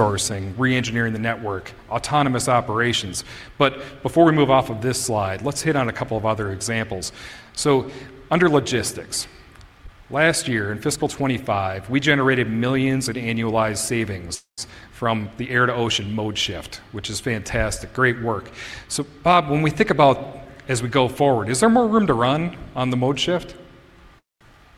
C: Bob? Sourcing, re-engineering the network, autonomous operations. Before we move off of this slide, let's hit on a couple of other examples. Under logistics, last year in fiscal 2025, we generated millions in annualized savings from the air-to-ocean mode shift, which is fantastic. Great work. Bob, when we think about as we go forward, is there more room to run on the mode shift?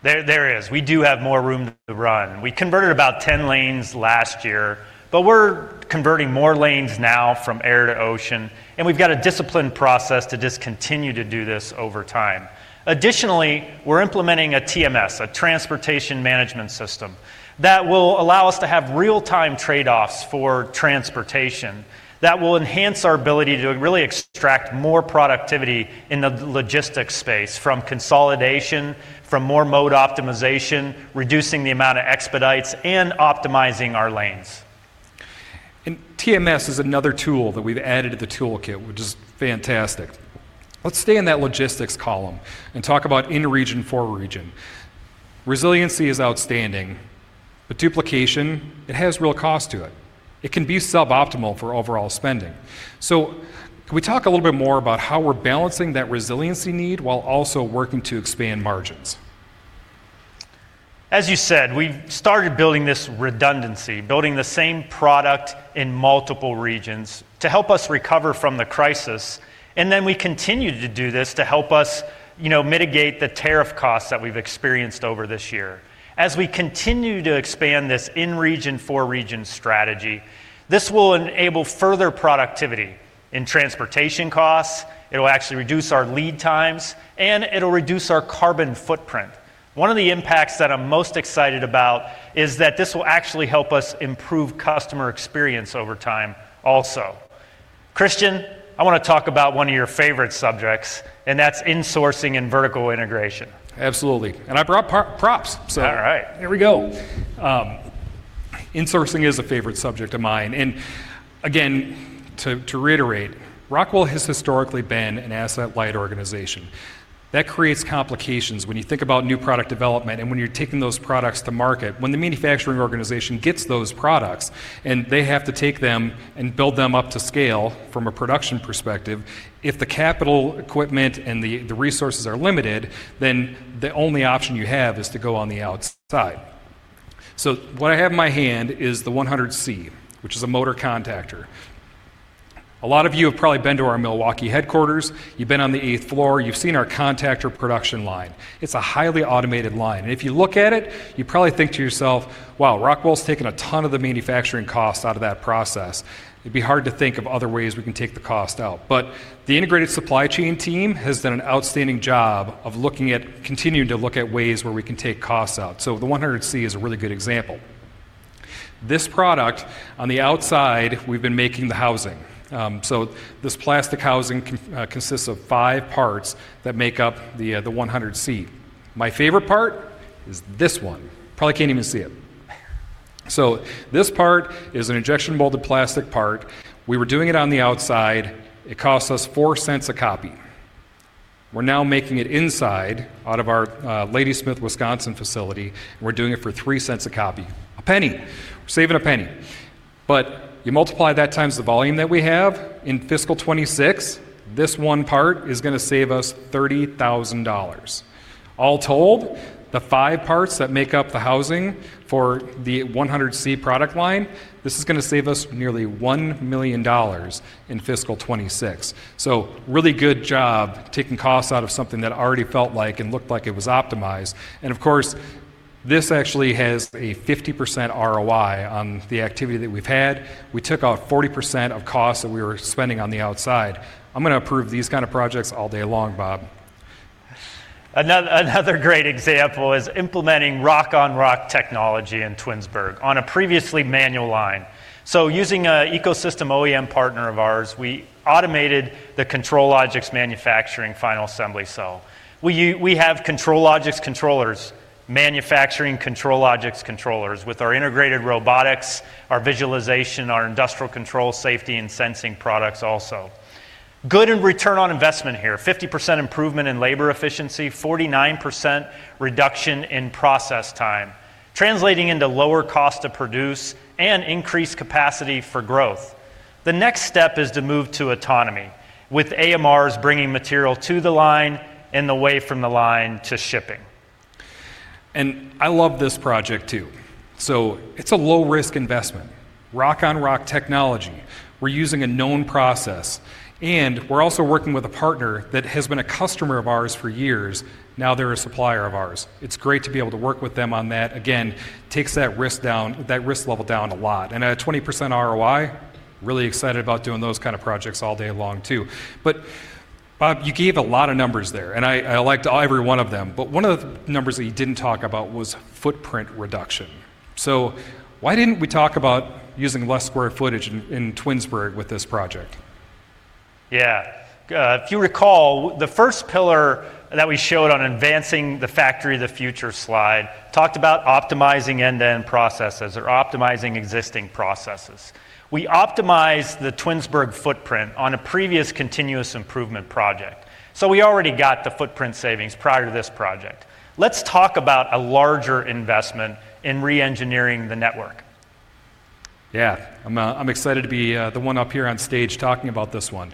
J: There is. We do have more room to run. We converted about 10 lanes last year, but we're converting more lanes now from air to ocean. We've got a disciplined process to just continue to do this over time. Additionally, we're implementing a TMS, a transportation management system, that will allow us to have real-time trade-offs for transportation that will enhance our ability to really extract more productivity in the logistics space from consolidation, from more mode optimization, reducing the amount of expedites, and optimizing our lanes.
A: TMS is another tool that we've added to the toolkit, which is fantastic. Let's stay in that logistics column and talk about in-region for region. Resiliency is outstanding, but duplication, it has real cost to it. It can be suboptimal for overall spending. Can we talk a little bit more about how we're balancing that resiliency need while also working to expand margins?
J: As you said, we started building this redundancy, building the same product in multiple regions to help us recover from the crisis. We continue to do this to help us mitigate the tariff costs that we've experienced over this year. As we continue to expand this in-region for region strategy, this will enable further productivity in transportation costs. It'll actually reduce our lead times, and it'll reduce our carbon footprint. One of the impacts that I'm most excited about is that this will actually help us improve customer experience over time also. Christian, I want to talk about one of your favorite subjects, and that's insourcing and vertical integration. Absolutely. I brought props, so. All right.
A: Here we go. Insourcing is a favorite subject of mine. Again, to reiterate, Rockwell has historically been an asset-light organization. That creates complications when you think about new product development and when you're taking those products to market. When the manufacturing organization gets those products and they have to take them and build them up to scale from a production perspective, if the capital equipment and the resources are limited, then the only option you have is to go on the outside. What I have in my hand is the 100C, which is a motor contactor. A lot of you have probably been to our Milwaukee headquarters. You've been on the eighth floor. You've seen our contactor production line. It's a highly automated line. If you look at it, you probably think to yourself, "Wow, Rockwell's taken a ton of the manufacturing costs out of that process." It'd be hard to think of other ways we can take the cost out. The integrated supply chain team has done an outstanding job of looking at continuing to look at ways where we can take costs out. The 100C is a really good example. This product, on the outside, we've been making the housing. This plastic housing consists of five parts that make up the 100C. My favorite part is this one. Probably can't even see it. This part is an injection-molded plastic part. We were doing it on the outside. It cost us 4 cents a copy. We're now making it inside out of our Ladysmith, Wisconsin facility, and we're doing it for 3 cents a copy. A penny. We're saving a penny. You multiply that times the volume that we have in fiscal 2026, this one part is going to save us $30,000. All told, the five parts that make up the housing for the 100C product line, this is going to save us nearly $1 million in fiscal 2026. Really good job taking costs out of something that already felt like and looked like it was optimized. Of course, this actually has a 50% ROI on the activity that we've had. We took out 40% of costs that we were spending on the outside. I'm going to approve these kinds of projects all day long, Bob.
J: Another great example is implementing rock-on-rock technology in Twinsburg on a previously manual line. Using an ecosystem OEM partner of ours, we automated the ControlLogix manufacturing final assembly cell. We have ControlLogix controllers manufacturing ControlLogix controllers with our integrated robotics, our visualization, our industrial control safety and sensing products also. Good return on investment here. 50% improvement in labor efficiency, 49% reduction in process time, translating into lower cost to produce and increased capacity for growth. The next step is to move to autonomy with AMRs bringing material to the line and the way from the line to shipping.
A: I love this project too. It's a low-risk investment. Rock-on-rock technology. We're using a known process, and we're also working with a partner that has been a customer of ours for years. Now they're a supplier of ours. It's great to be able to work with them on that. Again, takes that risk level down a lot. At a 20% ROI, really excited about doing those kinds of projects all day long too. Bob, you gave a lot of numbers there, and I liked every one of them. One of the numbers that you didn't talk about was footprint reduction. Why didn't we talk about using less square footage in Twinsburg with this project?
J: Yeah. If you recall, the first pillar that we showed on advancing the factory of the future slide talked about optimizing end-to-end processes or optimizing existing processes. We optimized the Twinsburg footprint on a previous continuous improvement project. We already got the footprint savings prior to this project. Let's talk about a larger investment in re-engineering the network.
A: Yeah. I'm excited to be the one up here on stage talking about this one.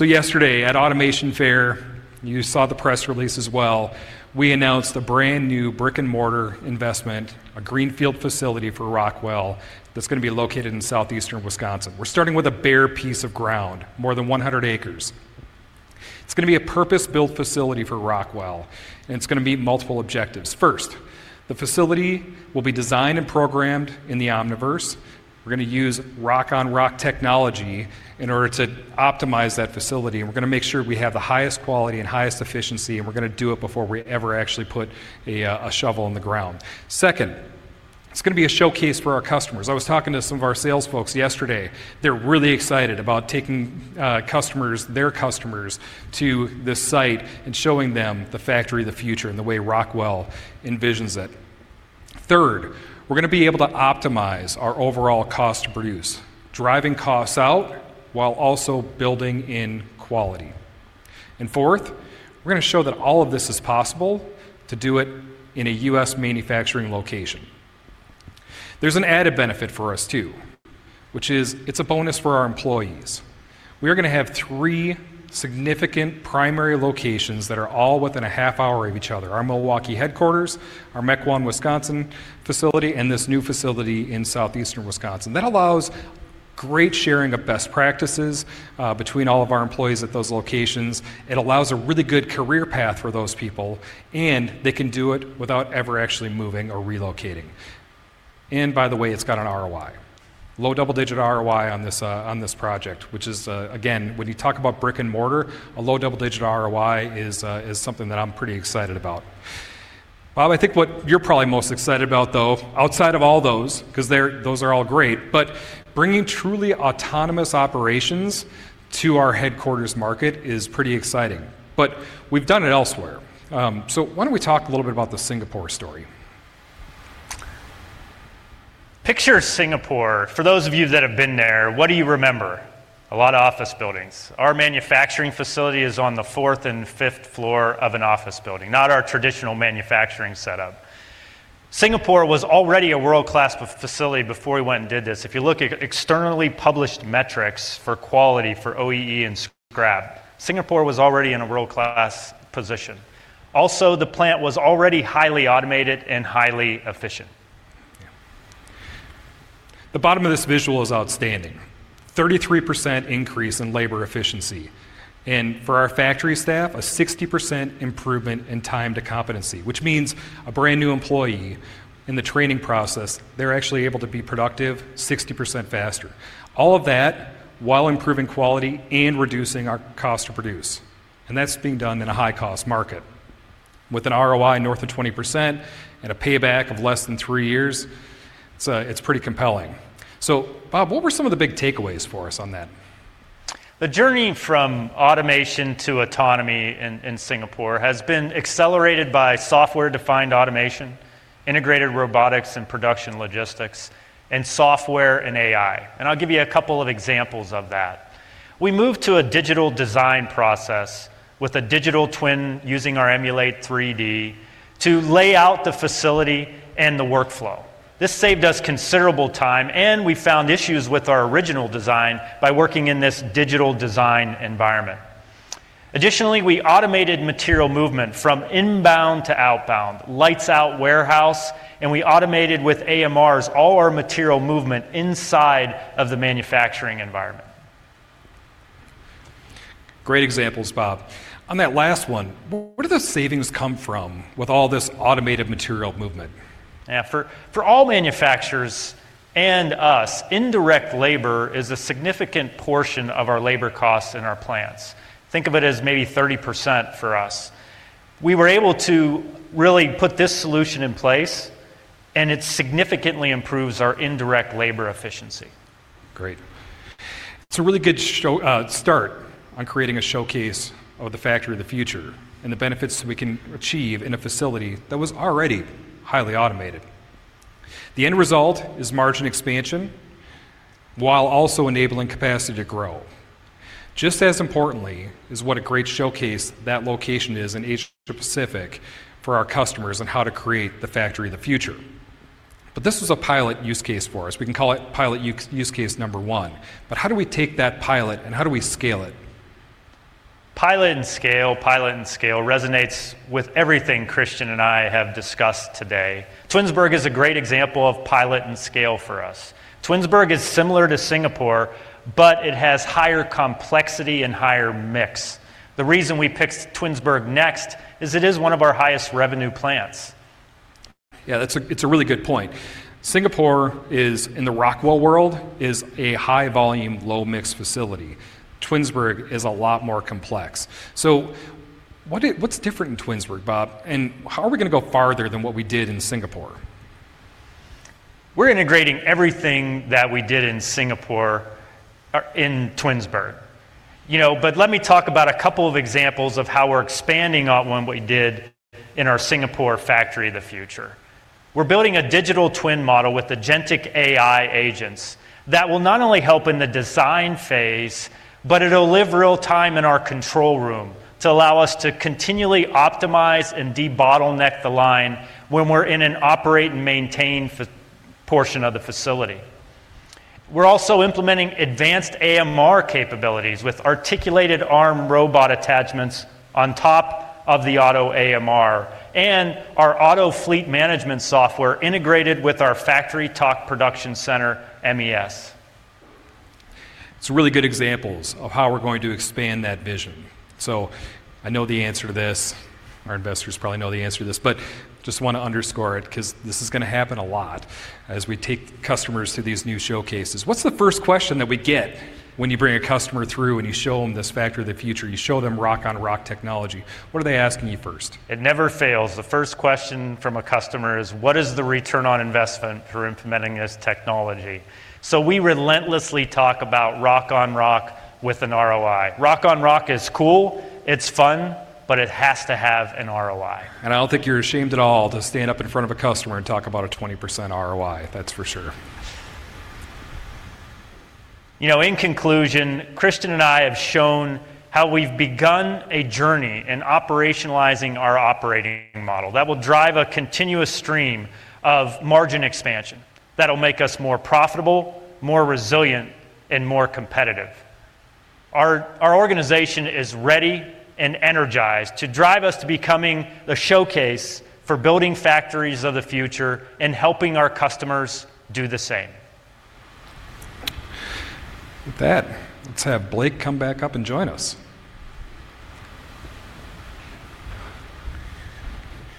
A: Yesterday at Automation Fair, you saw the press release as well. We announced a brand new brick-and-mortar investment, a greenfield facility for Rockwell that's going to be located in southeastern Wisconsin. We're starting with a bare piece of ground, more than 100 acres. It's going to be a purpose-built facility for Rockwell, and it's going to meet multiple objectives. First, the facility will be designed and programmed in the Omniverse. We're going to use rock-on-rock technology in order to optimize that facility. We're going to make sure we have the highest quality and highest efficiency, and we're going to do it before we ever actually put a shovel in the ground. Second, it's going to be a showcase for our customers. I was talking to some of our sales folks yesterday. They're really excited about taking their customers to this site and showing them the factory of the future and the way Rockwell envisions it. Third, we're going to be able to optimize our overall cost to produce, driving costs out while also building in quality. Fourth, we're going to show that all of this is possible to do it in a U.S. manufacturing location. There's an added benefit for us too, which is it's a bonus for our employees. We are going to have three significant primary locations that are all within a half hour of each other: our Milwaukee headquarters, our Mech Wand, Wisconsin facility, and this new facility in southeastern Wisconsin. That allows great sharing of best practices between all of our employees at those locations. It allows a really good career path for those people, and they can do it without ever actually moving or relocating. By the way, it's got an ROI, low double-digit ROI on this project, which is, again, when you talk about brick-and-mortar, a low double-digit ROI is something that I'm pretty excited about. Bob, I think what you're probably most excited about, though, outside of all those, because those are all great, but bringing truly autonomous operations to our headquarters market is pretty exciting. We've done it elsewhere. Why don't we talk a little bit about the Singapore story?
J: Picture Singapore. For those of you that have been there, what do you remember? A lot of office buildings. Our manufacturing facility is on the fourth and fifth floor of an office building, not our traditional manufacturing setup. Singapore was already a world-class facility before we went and did this. If you look at externally published metrics for quality for OEE and SCRAP, Singapore was already in a world-class position. Also, the plant was already highly automated and highly efficient.
A: The bottom of this visual is outstanding. 33% increase in labor efficiency. For our factory staff, a 60% improvement in time to competency, which means a brand new employee in the training process, they're actually able to be productive 60% faster. All of that while improving quality and reducing our cost to produce. That is being done in a high-cost market with an ROI north of 20% and a payback of less than three years. It is pretty compelling. Bob, what were some of the big takeaways for us on that?
J: The journey from automation to autonomy in Singapore has been accelerated by software-defined automation, integrated robotics and production logistics, and software and AI. I'll give you a couple of examples of that. We moved to a digital design process with a digital twin using our Emulate 3D to lay out the facility and the workflow. This saved us considerable time, and we found issues with our original design by working in this digital design environment. Additionally, we automated material movement from inbound to outbound, lights out warehouse, and we automated with AMRs all our material movement inside of the manufacturing environment.
A: Great examples, Bob. On that last one, where do those savings come from with all this automated material movement?
J: Yeah. For all manufacturers and us, indirect labor is a significant portion of our labor costs in our plants. Think of it as maybe 30% for us. We were able to really put this solution in place, and it significantly improves our indirect labor efficiency.
A: Great. It's a really good start on creating a showcase of the factory of the future and the benefits we can achieve in a facility that was already highly automated. The end result is margin expansion while also enabling capacity to grow. Just as importantly is what a great showcase that location is in Asia-Pacific for our customers and how to create the factory of the future. This was a pilot use case for us. We can call it pilot use case number one. How do we take that pilot and how do we scale it?
J: Pilot and scale, pilot and scale resonates with everything Christian and I have discussed today. Twinsburg is a great example of pilot and scale for us. Twinsburg is similar to Singapore, but it has higher complexity and higher mix. The reason we picked Twinsburg next is it is one of our highest revenue plants.
A: Yeah, that's a really good point. Singapore in the Rockwell world is a high-volume, low-mix facility. Twinsburg is a lot more complex. What's different in Twinsburg, Bob? How are we going to go farther than what we did in Singapore?
J: We're integrating everything that we did in Singapore in Twinsburg. Let me talk about a couple of examples of how we're expanding on what we did in our Singapore factory of the future. We're building a digital twin model with agentic AI agents that will not only help in the design phase, but it'll live real time in our control room to allow us to continually optimize and de-bottleneck the line when we're in an operate and maintain portion of the facility. We're also implementing advanced AMR capabilities with articulated arm robot attachments on top of the Otto AMR and our Otto fleet management software integrated with our FactoryTalk Production Center MES.
A: It's really good examples of how we're going to expand that vision. I know the answer to this. Our investors probably know the answer to this, but just want to underscore it because this is going to happen a lot as we take customers to these new showcases. What's the first question that we get when you bring a customer through and you show them this factory of the future? You show them Rockwell Automation technology. What are they asking you first? It never fails. The first question from a customer is, what is the return on investment for implementing this technology? We relentlessly talk about Rockwell Automation with an ROI. Rockwell Automation is cool. It's fun, but it has to have an ROI. I don't think you're ashamed at all to stand up in front of a customer and talk about a 20% ROI, that's for sure.
J: In conclusion, Christian and I have shown how we've begun a journey in operationalizing our operating model that will drive a continuous stream of margin expansion that'll make us more profitable, more resilient, and more competitive. Our organization is ready and energized to drive us to becoming the showcase for building factories of the future and helping our customers do the same.
A: With that, let's have Blake come back up and join us.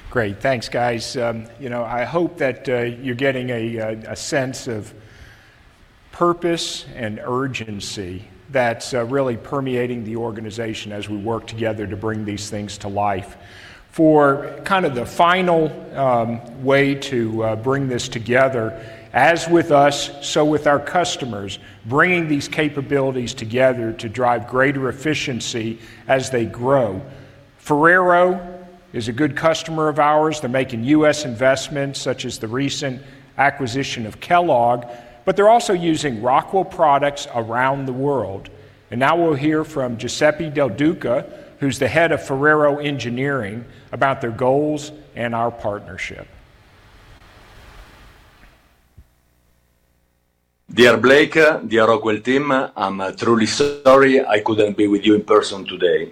C: Great. Thanks, guys. I hope that you're getting a sense of purpose and urgency that's really permeating the organization as we work together to bring these things to life. For kind of the final way to bring this together, as with us, so with our customers, bringing these capabilities together to drive greater efficiency as they grow. Ferrero is a good customer of ours. They're making U.S. investments such as the recent acquisition of Kellogg, but they're also using Rockwell products around the world. And now we'll hear from Giuseppe Del Duca, who's the head of Ferrero Engineering, about their goals and our partnership.
K: Dear Blake, dear Rockwell team, I'm truly sorry I couldn't be with you in person today.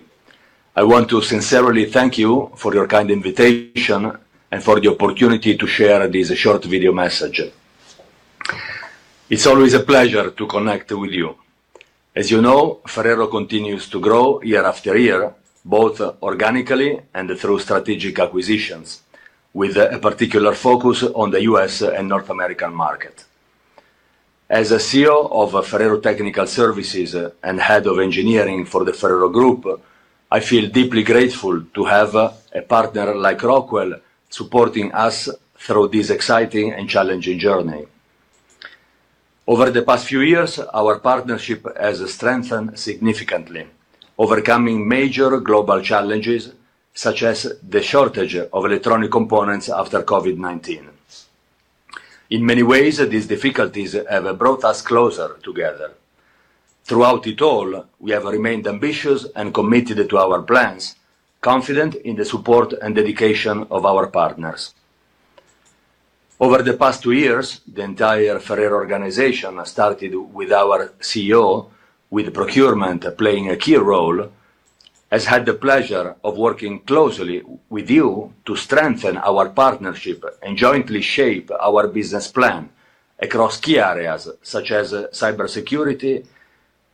K: I want to sincerely thank you for your kind invitation and for the opportunity to share this short video message. It's always a pleasure to connect with you. As you know, Ferrero continues to grow year after year, both organically and through strategic acquisitions, with a particular focus on the U.S. and North American market. As a CEO of Ferrero Technical Services and head of engineering for the Ferrero Group, I feel deeply grateful to have a partner like Rockwell supporting us through this exciting and challenging journey. Over the past few years, our partnership has strengthened significantly, overcoming major global challenges such as the shortage of electronic components after COVID-19. In many ways, these difficulties have brought us closer together. Throughout it all, we have remained ambitious and committed to our plans, confident in the support and dedication of our partners. Over the past two years, the entire Ferrero organization started with our CEO, with procurement playing a key role. I had the pleasure of working closely with you to strengthen our partnership and jointly shape our business plan across key areas such as cybersecurity,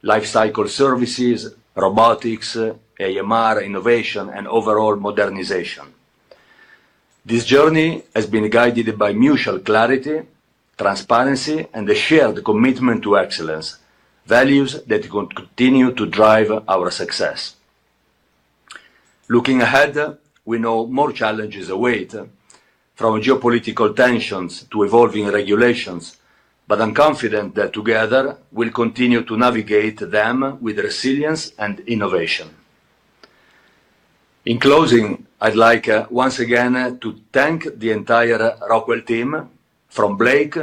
K: lifecycle services, robotics, AMR innovation, and overall modernization. This journey has been guided by mutual clarity, transparency, and a shared commitment to excellence, values that continue to drive our success. Looking ahead, we know more challenges await, from geopolitical tensions to evolving regulations, but I'm confident that together we'll continue to navigate them with resilience and innovation. In closing, I'd like once again to thank the entire Rockwell team, from Blake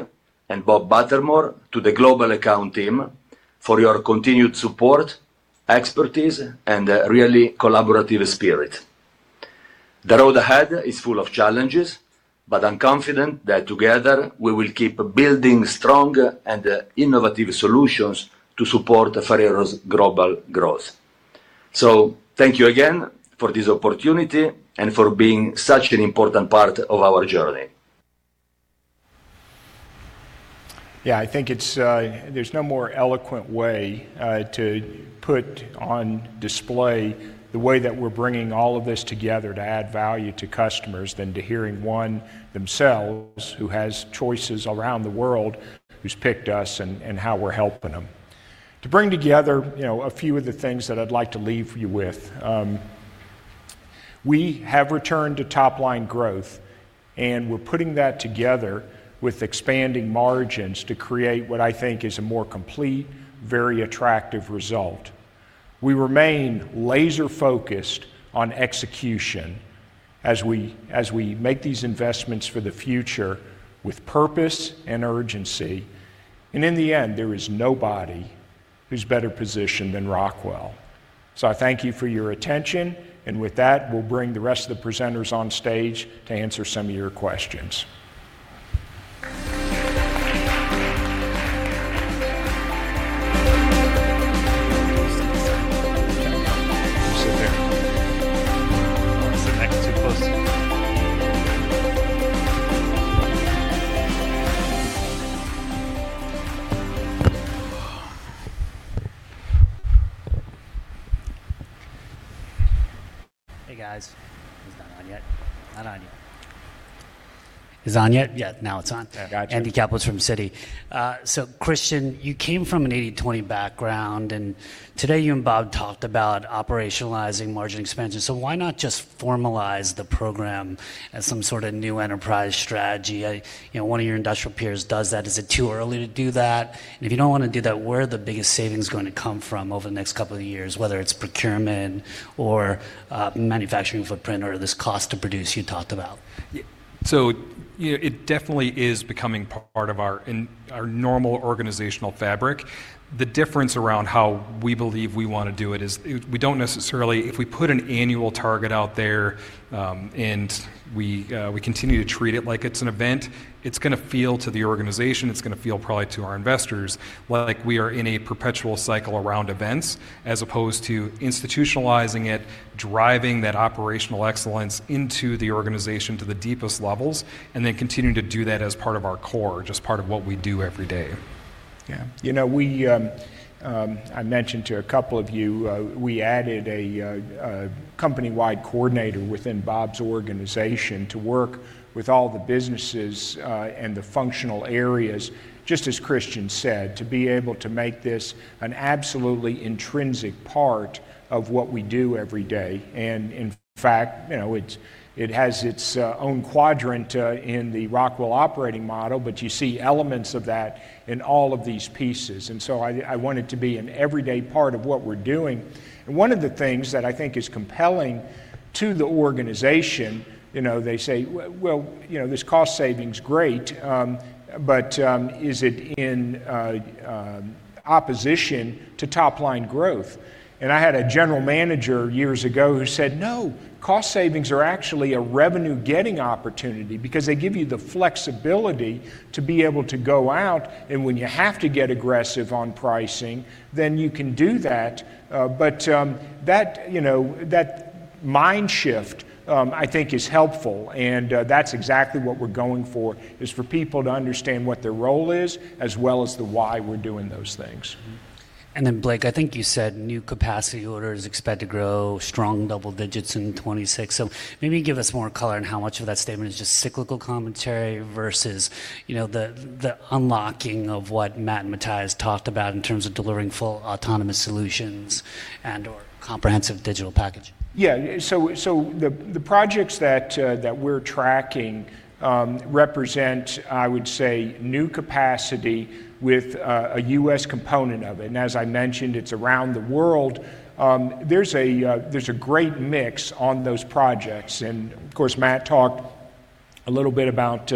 K: and Bob Buttermore to the global account team, for your continued support, expertise, and really collaborative spirit. The road ahead is full of challenges, but I'm confident that together we will keep building strong and innovative solutions to support Ferrero's global growth. Thank you again for this opportunity and for being such an important part of our journey.
A: Yeah, I think there's no more eloquent way to put on display the way that we're bringing all of this together to add value to customers than to hearing one themselves who has choices around the world, who's picked us, and how we're helping them. To bring together a few of the things that I'd like to leave you with, we have returned to top-line growth, and we're putting that together with expanding margins to create what I think is a more complete, very attractive result. We remain laser-focused on execution as we make these investments for the future with purpose and urgency. In the end, there is nobody who's better positioned than Rockwell. I thank you for your attention. With that, we'll bring the rest of the presenters on stage to answer some of your questions.
L: Hey, guys. Is that on yet? Not on yet.
A: Is it on yet?
L: Yeah, now it's on.
A: Gotcha.
L: Andy Kaplowitz was from Citi. Christian, you came from an 80/20 background, and today you and Bob talked about operationalizing margin expansion. Why not just formalize the program as some sort of new enterprise strategy? One of your industrial peers does that. Is it too early to do that? If you don't want to do that, where are the biggest savings going to come from over the next couple of years, whether it's procurement or manufacturing footprint or this cost to produce you talked about?
I: It definitely is becoming part of our normal organizational fabric. The difference around how we believe we want to do it is we do not necessarily, if we put an annual target out there and we continue to treat it like it is an event, it is going to feel to the organization, it is going to feel probably to our investors like we are in a perpetual cycle around events, as opposed to institutionalizing it, driving that operational excellence into the organization to the deepest levels, and then continuing to do that as part of our core, just part of what we do every day. Yeah.
C: I mentioned to a couple of you, we added a company-wide coordinator within Bob's organization to work with all the businesses and the functional areas, just as Christian said, to be able to make this an absolutely intrinsic part of what we do every day. In fact, it has its own quadrant in the Rockwell operating model, but you see elements of that in all of these pieces. I want it to be an everyday part of what we're doing. One of the things that I think is compelling to the organization, they say, "Well, this cost saving's great, but is it in opposition to top-line growth?" I had a general manager years ago who said, "No, cost savings are actually a revenue-getting opportunity because they give you the flexibility to be able to go out, and when you have to get aggressive on pricing, then you can do that." That mind shift, I think, is helpful. That's exactly what we're going for, is for people to understand what their role is as well as the why we're doing those things.
L: Blake, I think you said new capacity orders expect to grow strong double digits in 2026. Maybe give us more color on how much of that statement is just cyclical commentary versus the unlocking of what Matt and Mateus talked about in terms of delivering full autonomous solutions and/or comprehensive digital package.
C: Yeah. The projects that we're tracking represent, I would say, new capacity with a U.S. component of it. As I mentioned, it's around the world. There's a great mix on those projects. Of course, Matt talked a little bit about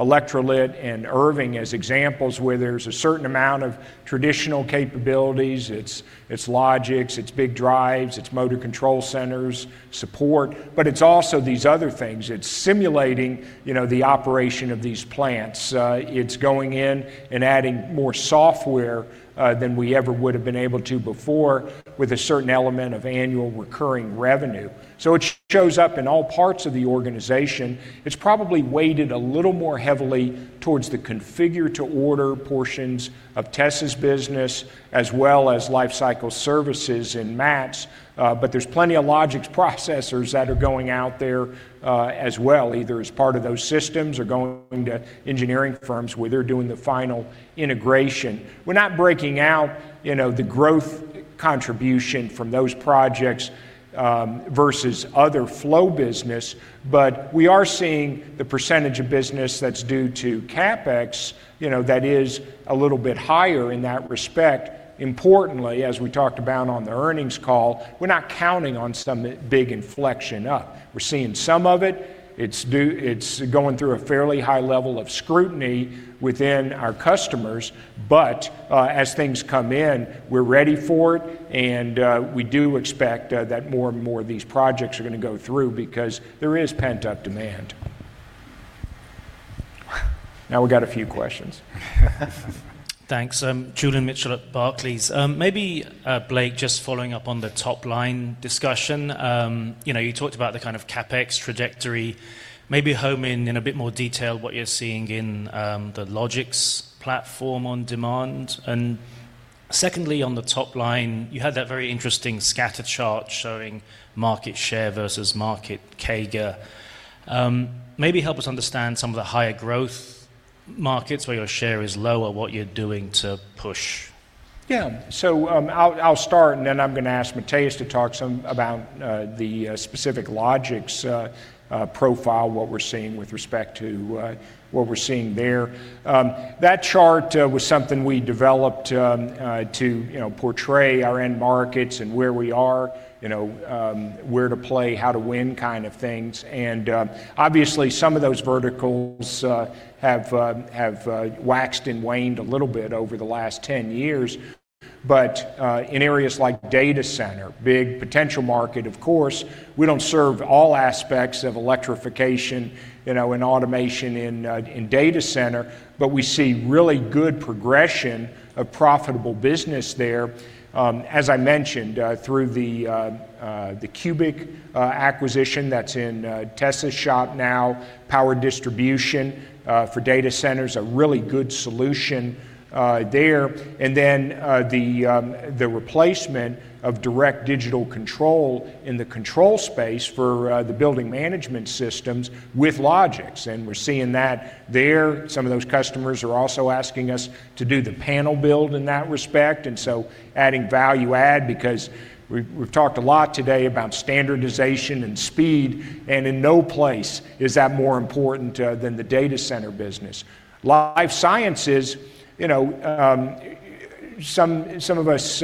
C: Electrolyt and Irving as examples where there's a certain amount of traditional capabilities, it's Logix, it's big drives, it's motor control centers support, but it's also these other things. It's simulating the operation of these plants. It's going in and adding more software than we ever would have been able to before with a certain element of annual recurring revenue. It shows up in all parts of the organization. It's probably weighted a little more heavily towards the configure-to-order portions of Tessa's business as well as lifecycle services and Matt's. There are plenty of Logix processors that are going out there as well, either as part of those systems or going to engineering firms where they're doing the final integration. We're not breaking out the growth contribution from those projects versus other flow business, but we are seeing the percentage of business that's due to CapEx that is a little bit higher in that respect. Importantly, as we talked about on the earnings call, we're not counting on some big inflection up. We're seeing some of it. It's going through a fairly high level of scrutiny within our customers. As things come in, we're ready for it. We do expect that more and more of these projects are going to go through because there is pent-up demand. Now we've got a few questions.
M: Thanks. Julian Mitchell at Barclays. Maybe Blake, just following up on the top-line discussion, you talked about the kind of CapEx trajectory. Maybe home in a bit more detail what you're seeing in the Logix platform on demand. Secondly, on the top line, you had that very interesting scatter chart showing market share versus market CAGR. Maybe help us understand some of the higher growth markets where your share is lower, what you're doing to push.
C: Yeah. I'll start, and then I'm going to ask Mateus to talk some about the specific Logix profile, what we're seeing with respect to what we're seeing there. That chart was something we developed to portray our end markets and where we are, where to play, how to win kind of things. Obviously, some of those verticals have waxed and waned a little bit over the last 10 years. In areas like data center, big potential market, of course, we don't serve all aspects of electrification and automation in data center, but we see really good progression of profitable business there. As I mentioned, through the Cubic acquisition that's in Tessa's shop now, power distribution for data centers, a really good solution there. The replacement of direct digital control in the control space for the building management systems with Logix, we're seeing that there. Some of those customers are also asking us to do the panel build in that respect. Adding value add because we've talked a lot today about standardization and speed. In no place is that more important than the data center business. Life sciences, some of us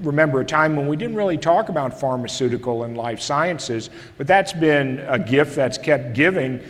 C: remember a time when we didn't really talk about pharmaceutical and life sciences, but that's been a gift that's kept giving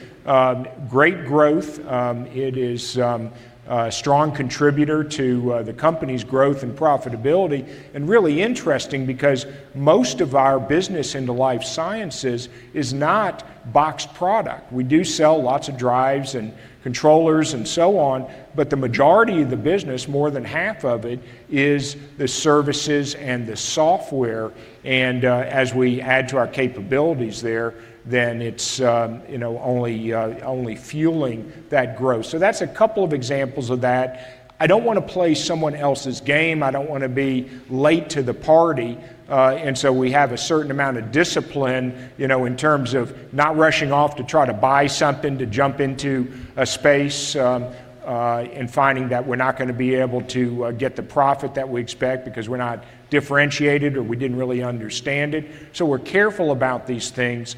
C: great growth. It is a strong contributor to the company's growth and profitability. Really interesting because most of our business in the life sciences is not boxed product. We do sell lots of drives and controllers and so on, but the majority of the business, more than half of it, is the services and the software. As we add to our capabilities there, then it's only fueling that growth. That's a couple of examples of that. I don't want to play someone else's game. I don't want to be late to the party. We have a certain amount of discipline in terms of not rushing off to try to buy something to jump into a space and finding that we're not going to be able to get the profit that we expect because we're not differentiated or we didn't really understand it. We are careful about these things.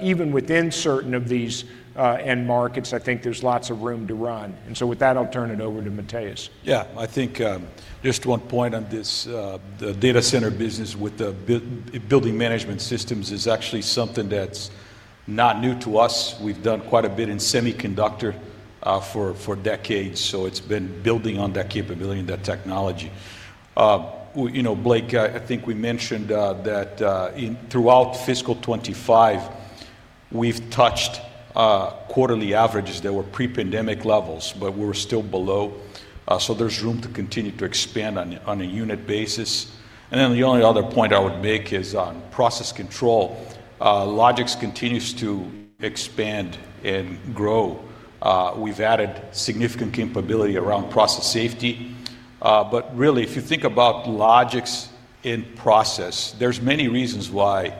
C: Even within certain of these end markets, I think there's lots of room to run. With that, I'll turn it over to Mateus.
D: Yeah. I think just one point on this, the data center business with the building management systems is actually something that's not new to us. We've done quite a bit in semiconductor for decades. It's been building on that capability and that technology. Blake, I think we mentioned that throughout fiscal 2025, we've touched quarterly averages that were pre-pandemic levels, but we're still below. There's room to continue to expand on a unit basis. The only other point I would make is on process control. Logix continues to expand and grow. We've added significant capability around process safety. Really, if you think about Logix in process, there are many reasons why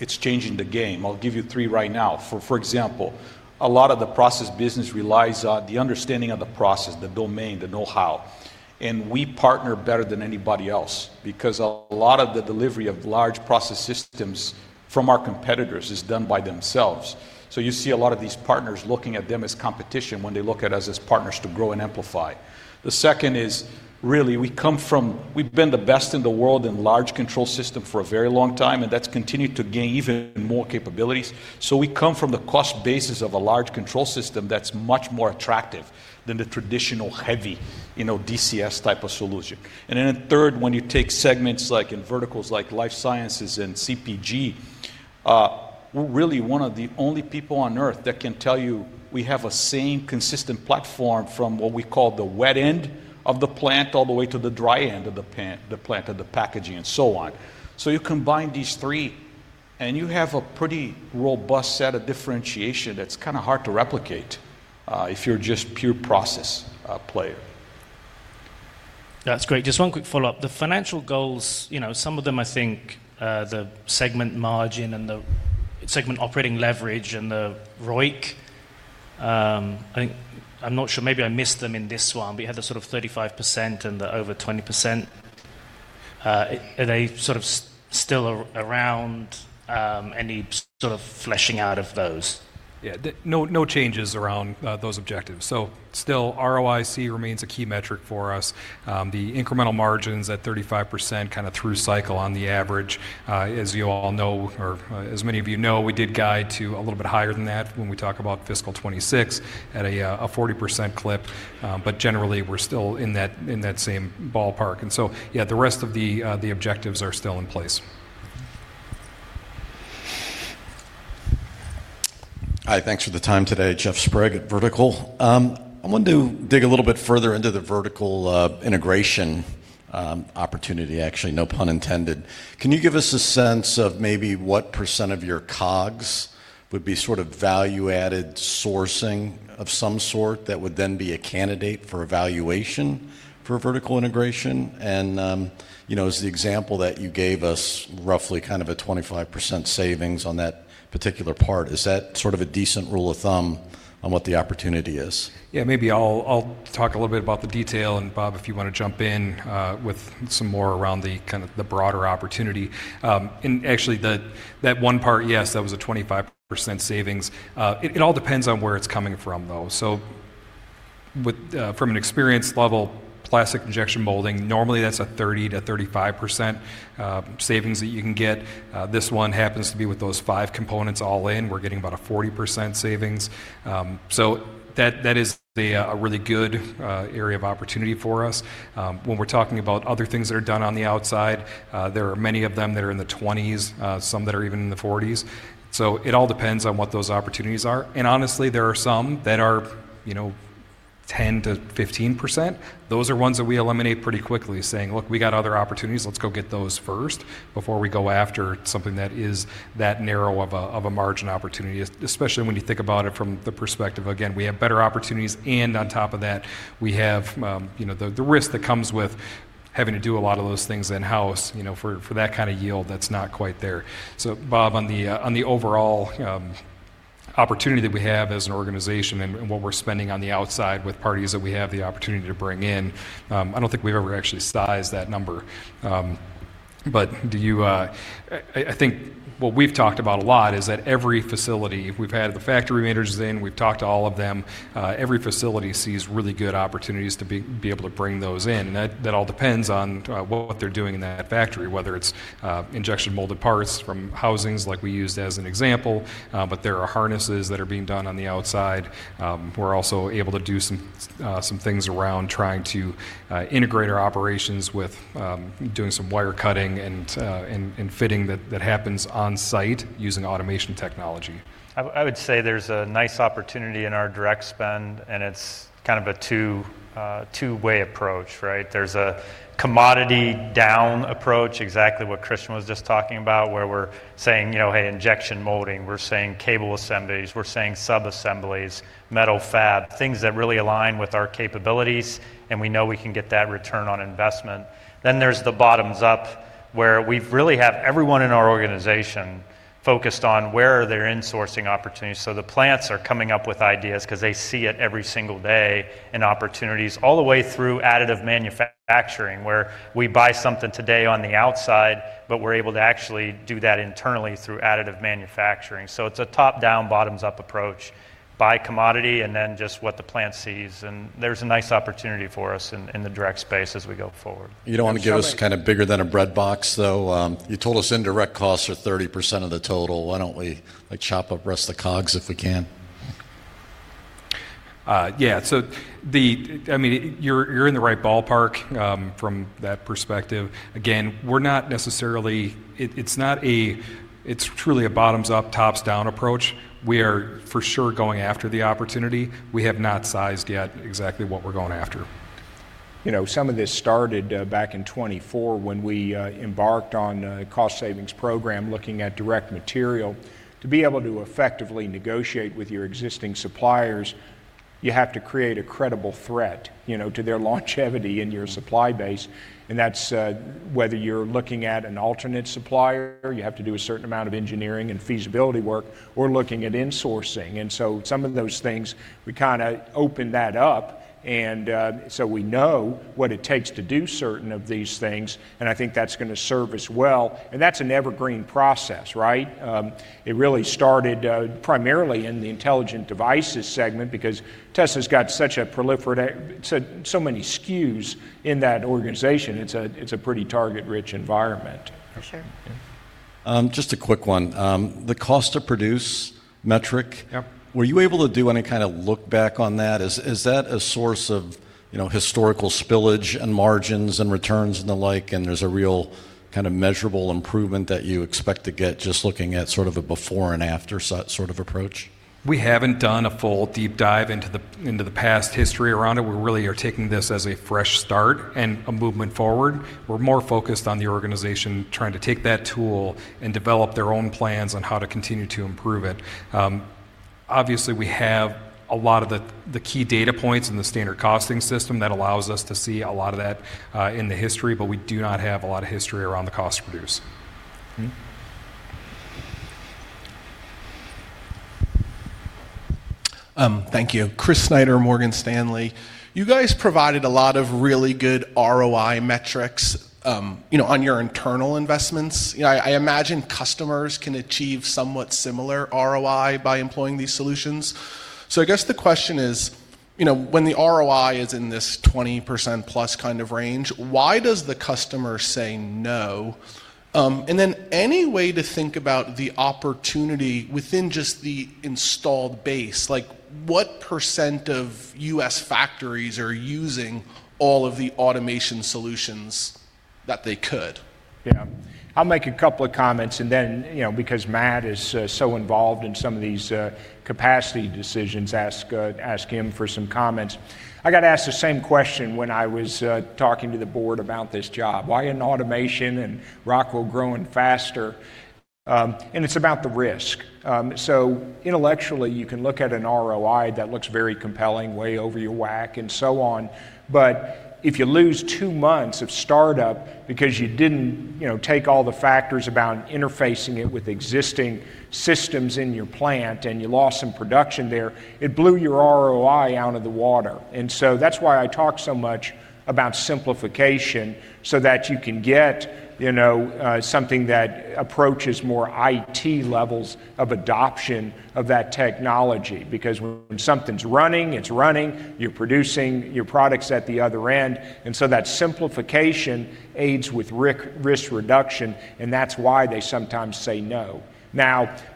D: it's changing the game. I'll give you three right now. For example, a lot of the process business relies on the understanding of the process, the domain, the know-how. We partner better than anybody else because a lot of the delivery of large process systems from our competitors is done by themselves. You see a lot of these partners looking at them as competition when they look at us as partners to grow and amplify. The second is really we come from, we've been the best in the world in large control system for a very long time, and that's continued to gain even more capabilities. We come from the cost basis of a large control system that's much more attractive than the traditional heavy DCS type of solution. When you take segments like in verticals like life sciences and CPG, we're really one of the only people on earth that can tell you we have a same consistent platform from what we call the wet end of the plant all the way to the dry end of the plant and the packaging and so on. You combine these three, and you have a pretty robust set of differentiation that's kind of hard to replicate if you're just a pure process player.
M: That's great. Just one quick follow-up. The financial goals, some of them, I think the segment margin and the segment operating leverage and the ROIC, I'm not sure, maybe I missed them in this one, but you had the sort of 35% and the over 20%. Are they sort of still around? Any sort of fleshing out of those?
I: Yeah. No changes around those objectives. So still, ROIC remains a key metric for us. The incremental margins at 35% kind of through cycle on the average. As you all know, or as many of you know, we did guide to a little bit higher than that when we talk about fiscal 2026 at a 40% clip. But generally, we're still in that same ballpark. And so, yeah, the rest of the objectives are still in place.
N: Hi. Thanks for the time today, Jeff Sprague at Vertical. I wanted to dig a little bit further into the vertical integration opportunity, actually, no pun intended. Can you give us a sense of maybe what percent of your COGS would be sort of value-added sourcing of some sort that would then be a candidate for evaluation for vertical integration? As the example that you gave us, roughly kind of a 25% savings on that particular part, is that sort of a decent rule of thumb on what the opportunity is?
I: Yeah. Maybe I'll talk a little bit about the detail. And Bob, if you want to jump in with some more around the kind of the broader opportunity. Actually, that one part, yes, that was a 25% savings. It all depends on where it's coming from, though. From an experience level, plastic injection molding, normally that's a 30-35% savings that you can get. This one happens to be with those five components all in. We're getting about a 40% savings. That is a really good area of opportunity for us. When we're talking about other things that are done on the outside, there are many of them that are in the 20s, some that are even in the 40s. It all depends on what those opportunities are. Honestly, there are some that are 10-15%. Those are ones that we eliminate pretty quickly, saying, "Look, we got other opportunities. Let's go get those first before we go after something that is that narrow of a margin opportunity," especially when you think about it from the perspective, again, we have better opportunities. On top of that, we have the risk that comes with having to do a lot of those things in-house for that kind of yield that's not quite there. Bob, on the overall opportunity that we have as an organization and what we're spending on the outside with parties that we have the opportunity to bring in, I don't think we've ever actually sized that number. I think what we've talked about a lot is that every facility, if we've had the factory managers in, we've talked to all of them, every facility sees really good opportunities to be able to bring those in. That all depends on what they're doing in that factory, whether it's injection molded parts from housings like we used as an example, but there are harnesses that are being done on the outside. We're also able to do some things around trying to integrate our operations with doing some wire cutting and fitting that happens on site using automation technology.
O: I would say there's a nice opportunity in our direct spend, and it's kind of a two-way approach, right? There's a commodity down approach, exactly what Christian was just talking about, where we're saying, "Hey, injection molding." We're saying cable assemblies. We're saying subassemblies, metal fab, things that really align with our capabilities, and we know we can get that return on investment. There is the bottoms up where we really have everyone in our organization focused on where are their insourcing opportunities. The plants are coming up with ideas because they see it every single day in opportunities all the way through additive manufacturing, where we buy something today on the outside, but we're able to actually do that internally through additive manufacturing. It is a top-down, bottoms-up approach, buy commodity, and then just what the plant sees. There's a nice opportunity for us in the direct space as we go forward.
N: You don't want to give us kind of bigger than a bread box, though. You told us indirect costs are 30% of the total. Why don't we chop up the rest of the COGS if we can?
I: Yeah. I mean, you're in the right ballpark from that perspective. Again, we're not necessarily—it's truly a bottoms-up, tops-down approach. We are for sure going after the opportunity. We have not sized yet exactly what we're going after.
C: Some of this started back in 2024 when we embarked on a cost savings program looking at direct material. To be able to effectively negotiate with your existing suppliers, you have to create a credible threat to their longevity in your supply base. That is whether you're looking at an alternate supplier, you have to do a certain amount of engineering and feasibility work, or looking at insourcing. Some of those things, we kind of opened that up. We know what it takes to do certain of these things. I think that's going to serve us well. That is an evergreen process, right? It really started primarily in the intelligent devices segment because Tessa has got such a proliferate—so many SKUs in that organization. It's a pretty target-rich environment.
N: For sure. Just a quick one. The cost to produce metric, were you able to do any kind of look back on that? Is that a source of historical spillage and margins and returns and the like? There is a real kind of measurable improvement that you expect to get just looking at sort of a before and after sort of approach?
I: We haven't done a full deep dive into the past history around it. We really are taking this as a fresh start and a movement forward. We're more focused on the organization trying to take that tool and develop their own plans on how to continue to improve it. Obviously, we have a lot of the key data points in the standard costing system that allows us to see a lot of that in the history, but we do not have a lot of history around the cost to produce.
P: Thank you. Chris Snyder, Morgan Stanley. You guys provided a lot of really good ROI metrics on your internal investments. I imagine customers can achieve somewhat similar ROI by employing these solutions. I guess the question is, when the ROI is in this 20% + kind of range, why does the customer say no? Any way to think about the opportunity within just the installed base? What percent of US factories are using all of the automation solutions that they could?
C: Yeah. I'll make a couple of comments. Then, because Matt is so involved in some of these capacity decisions, I'll ask him for some comments. I got asked the same question when I was talking to the board about this job. Why isn't automation and Rockwell growing faster? It's about the risk. Intellectually, you can look at an ROI that looks very compelling, way over your WACC and so on. If you lose two months of startup because you didn't take all the factors about interfacing it with existing systems in your plant and you lost some production there, it blew your ROI out of the water. That's why I talk so much about simplification so that you can get something that approaches more IT levels of adoption of that technology because when something's running, it's running. You're producing your products at the other end. That simplification aids with risk reduction, and that's why they sometimes say no.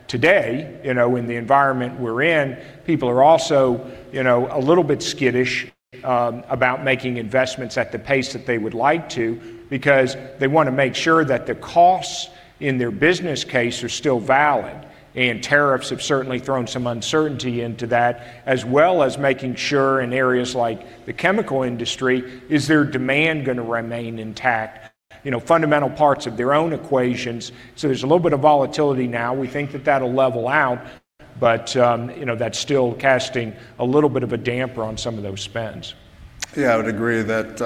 C: Today, in the environment we're in, people are also a little bit skittish about making investments at the pace that they would like to because they want to make sure that the costs in their business case are still valid. Tariffs have certainly thrown some uncertainty into that, as well as making sure in areas like the chemical industry, is their demand going to remain intact? Fundamental parts of their own equations. There's a little bit of volatility now. We think that that'll level out, but that's still casting a little bit of a damper on some of those spends.
I: Yeah. I would agree that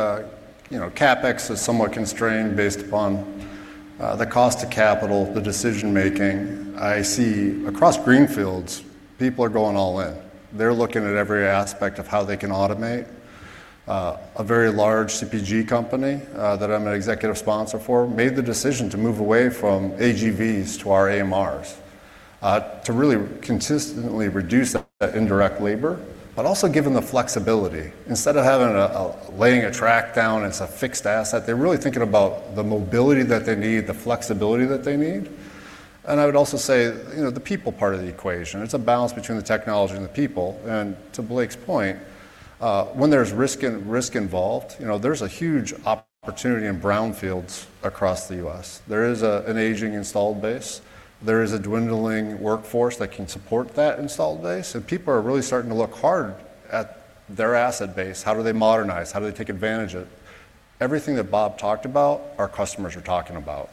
I: CapEx is somewhat constrained based upon the cost of capital, the decision-making. I see across greenfields, people are going all in. They're looking at every aspect of how they can automate. A very large CPG company that I'm an executive sponsor for made the decision to move away from AGVs to our AMRs to really consistently reduce that indirect labor, but also given the flexibility. Instead of laying a track down as a fixed asset, they're really thinking about the mobility that they need, the flexibility that they need. I would also say the people part of the equation. It's a balance between the technology and the people. To Blake's point, when there's risk involved, there's a huge opportunity in brownfields across the U.S. There is an aging installed base. There is a dwindling workforce that can support that installed base. People are really starting to look hard at their asset base. How do they modernize? How do they take advantage of it? Everything that Bob talked about, our customers are talking about.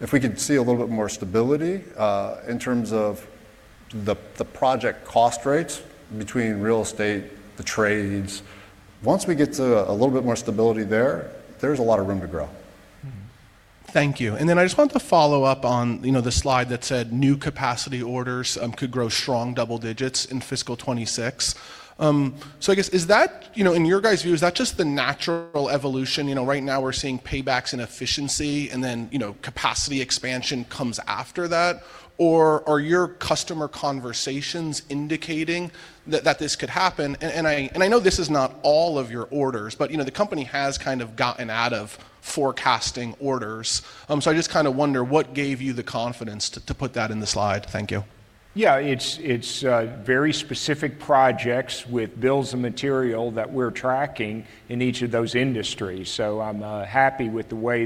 I: If we could see a little bit more stability in terms of the project cost rates between real estate, the trades, once we get to a little bit more stability there, there's a lot of room to grow.
P: Thank you. I just wanted to follow up on the slide that said new capacity orders could grow strong double digits in fiscal 2026. I guess, in your guys' view, is that just the natural evolution? Right now, we're seeing paybacks and efficiency, and then capacity expansion comes after that. Are your customer conversations indicating that this could happen? I know this is not all of your orders, but the company has kind of gotten out of forecasting orders. I just kind of wonder what gave you the confidence to put that in the slide. Thank you.
C: Yeah. It's very specific projects with bills of material that we're tracking in each of those industries. I’m happy with the way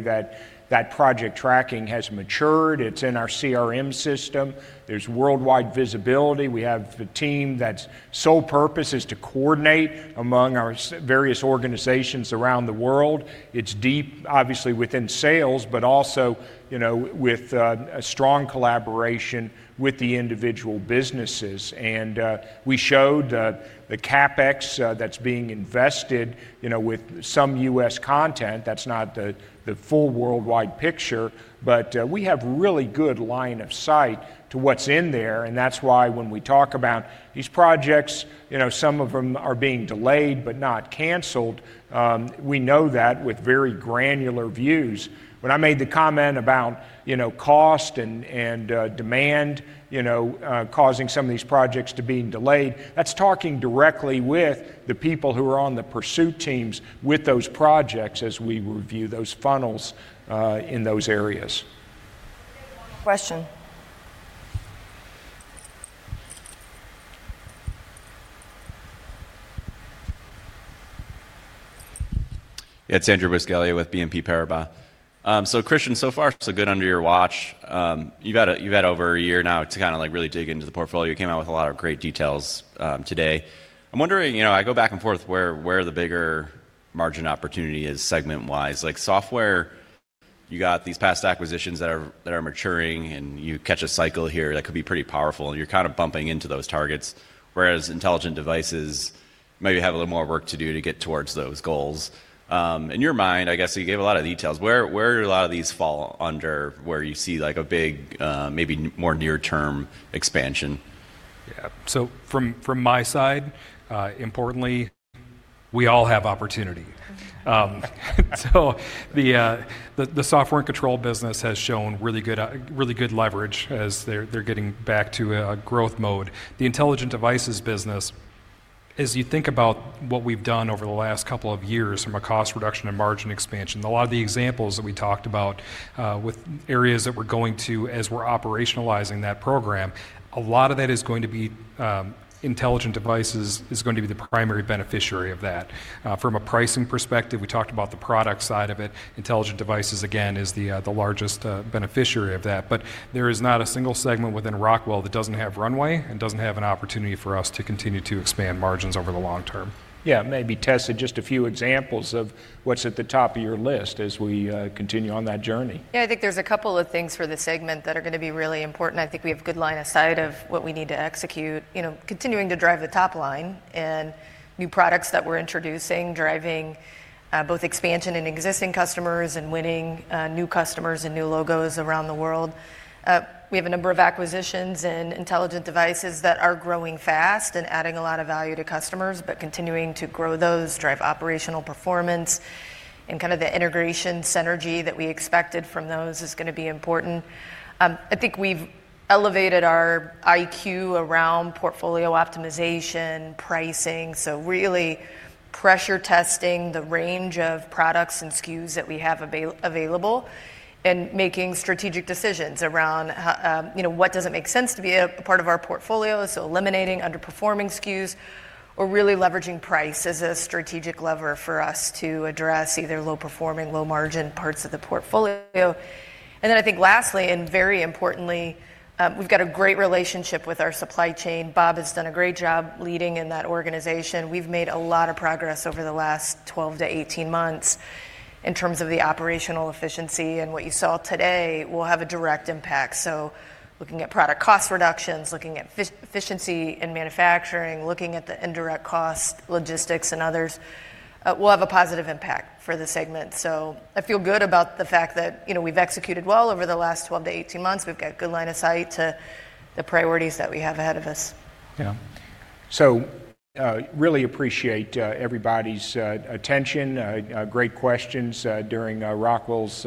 C: that project tracking has matured. It's in our CRM system. There's worldwide visibility. We have a team that's sole purpose is to coordinate among our various organizations around the world. It's deep, obviously, within sales, but also with a strong collaboration with the individual businesses. We showed the CapEx that's being invested with some US content. That's not the full worldwide picture, but we have really good line of sight to what's in there. That's why when we talk about these projects, some of them are being delayed but not canceled. We know that with very granular views. When I made the comment about cost and demand causing some of these projects to be delayed, that's talking directly with the people who are on the pursuit teams with those projects as we review those funnels in those areas.
F: Question.
Q: Yeah. It's Andrew Buscaglia with BNP Paribas. Christian, so far, so good under your watch. You've had over a year now to kind of really dig into the portfolio. You came out with a lot of great details today. I'm wondering, I go back and forth where the bigger margin opportunity is segment-wise. Software, you got these past acquisitions that are maturing, and you catch a cycle here that could be pretty powerful. You're kind of bumping into those targets, whereas intelligent devices, maybe you have a little more work to do to get towards those goals. In your mind, I guess you gave a lot of details. Where do a lot of these fall under where you see a big, maybe more near-term expansion?
I: Yeah. From my side, importantly, we all have opportunity. The software and control business has shown really good leverage as they're getting back to a growth mode. The intelligent devices business, as you think about what we've done over the last couple of years from a cost reduction and margin expansion, a lot of the examples that we talked about with areas that we're going to as we're operationalizing that program, a lot of that is going to be intelligent devices is going to be the primary beneficiary of that. From a pricing perspective, we talked about the product side of it. Intelligent devices, again, is the largest beneficiary of that. There is not a single segment within Rockwell that doesn't have runway and doesn't have an opportunity for us to continue to expand margins over the long term.
C: Yeah. Maybe Tessa had just a few examples of what's at the top of your list as we continue on that journey.
F: Yeah. I think there's a couple of things for the segment that are going to be really important. I think we have a good line of sight of what we need to execute, continuing to drive the top line and new products that we're introducing, driving both expansion in existing customers and winning new customers and new logos around the world. We have a number of acquisitions in intelligent devices that are growing fast and adding a lot of value to customers, continuing to grow those, drive operational performance. The integration synergy that we expected from those is going to be important. I think we've elevated our IQ around portfolio optimization, pricing, so really pressure testing the range of products and SKUs that we have available and making strategic decisions around what doesn't make sense to be a part of our portfolio, so eliminating underperforming SKUs or really leveraging price as a strategic lever for us to address either low-performing, low-margin parts of the portfolio. I think lastly, and very importantly, we've got a great relationship with our supply chain. Bob has done a great job leading in that organization. We've made a lot of progress over the last 12 to 18 months in terms of the operational efficiency. What you saw today will have a direct impact. Looking at product cost reductions, looking at efficiency in manufacturing, looking at the indirect cost, logistics, and others, will have a positive impact for the segment. I feel good about the fact that we've executed well over the last 12 to 18 months. We've got a good line of sight to the priorities that we have ahead of us.
C: Yeah. Really appreciate everybody's attention. Great questions during Rockwell's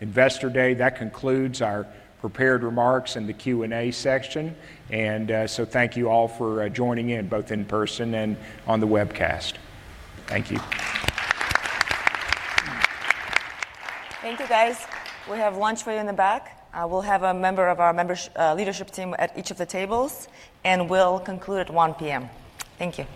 C: investor day. That concludes our prepared remarks and the Q&A section. Thank you all for joining in, both in person and on the webcast. Thank you.
B: Thank you, guys. We have lunch for you in the back. We'll have a member of our leadership team at each of the tables, and we'll conclude at 1:00 P.M. Thank you.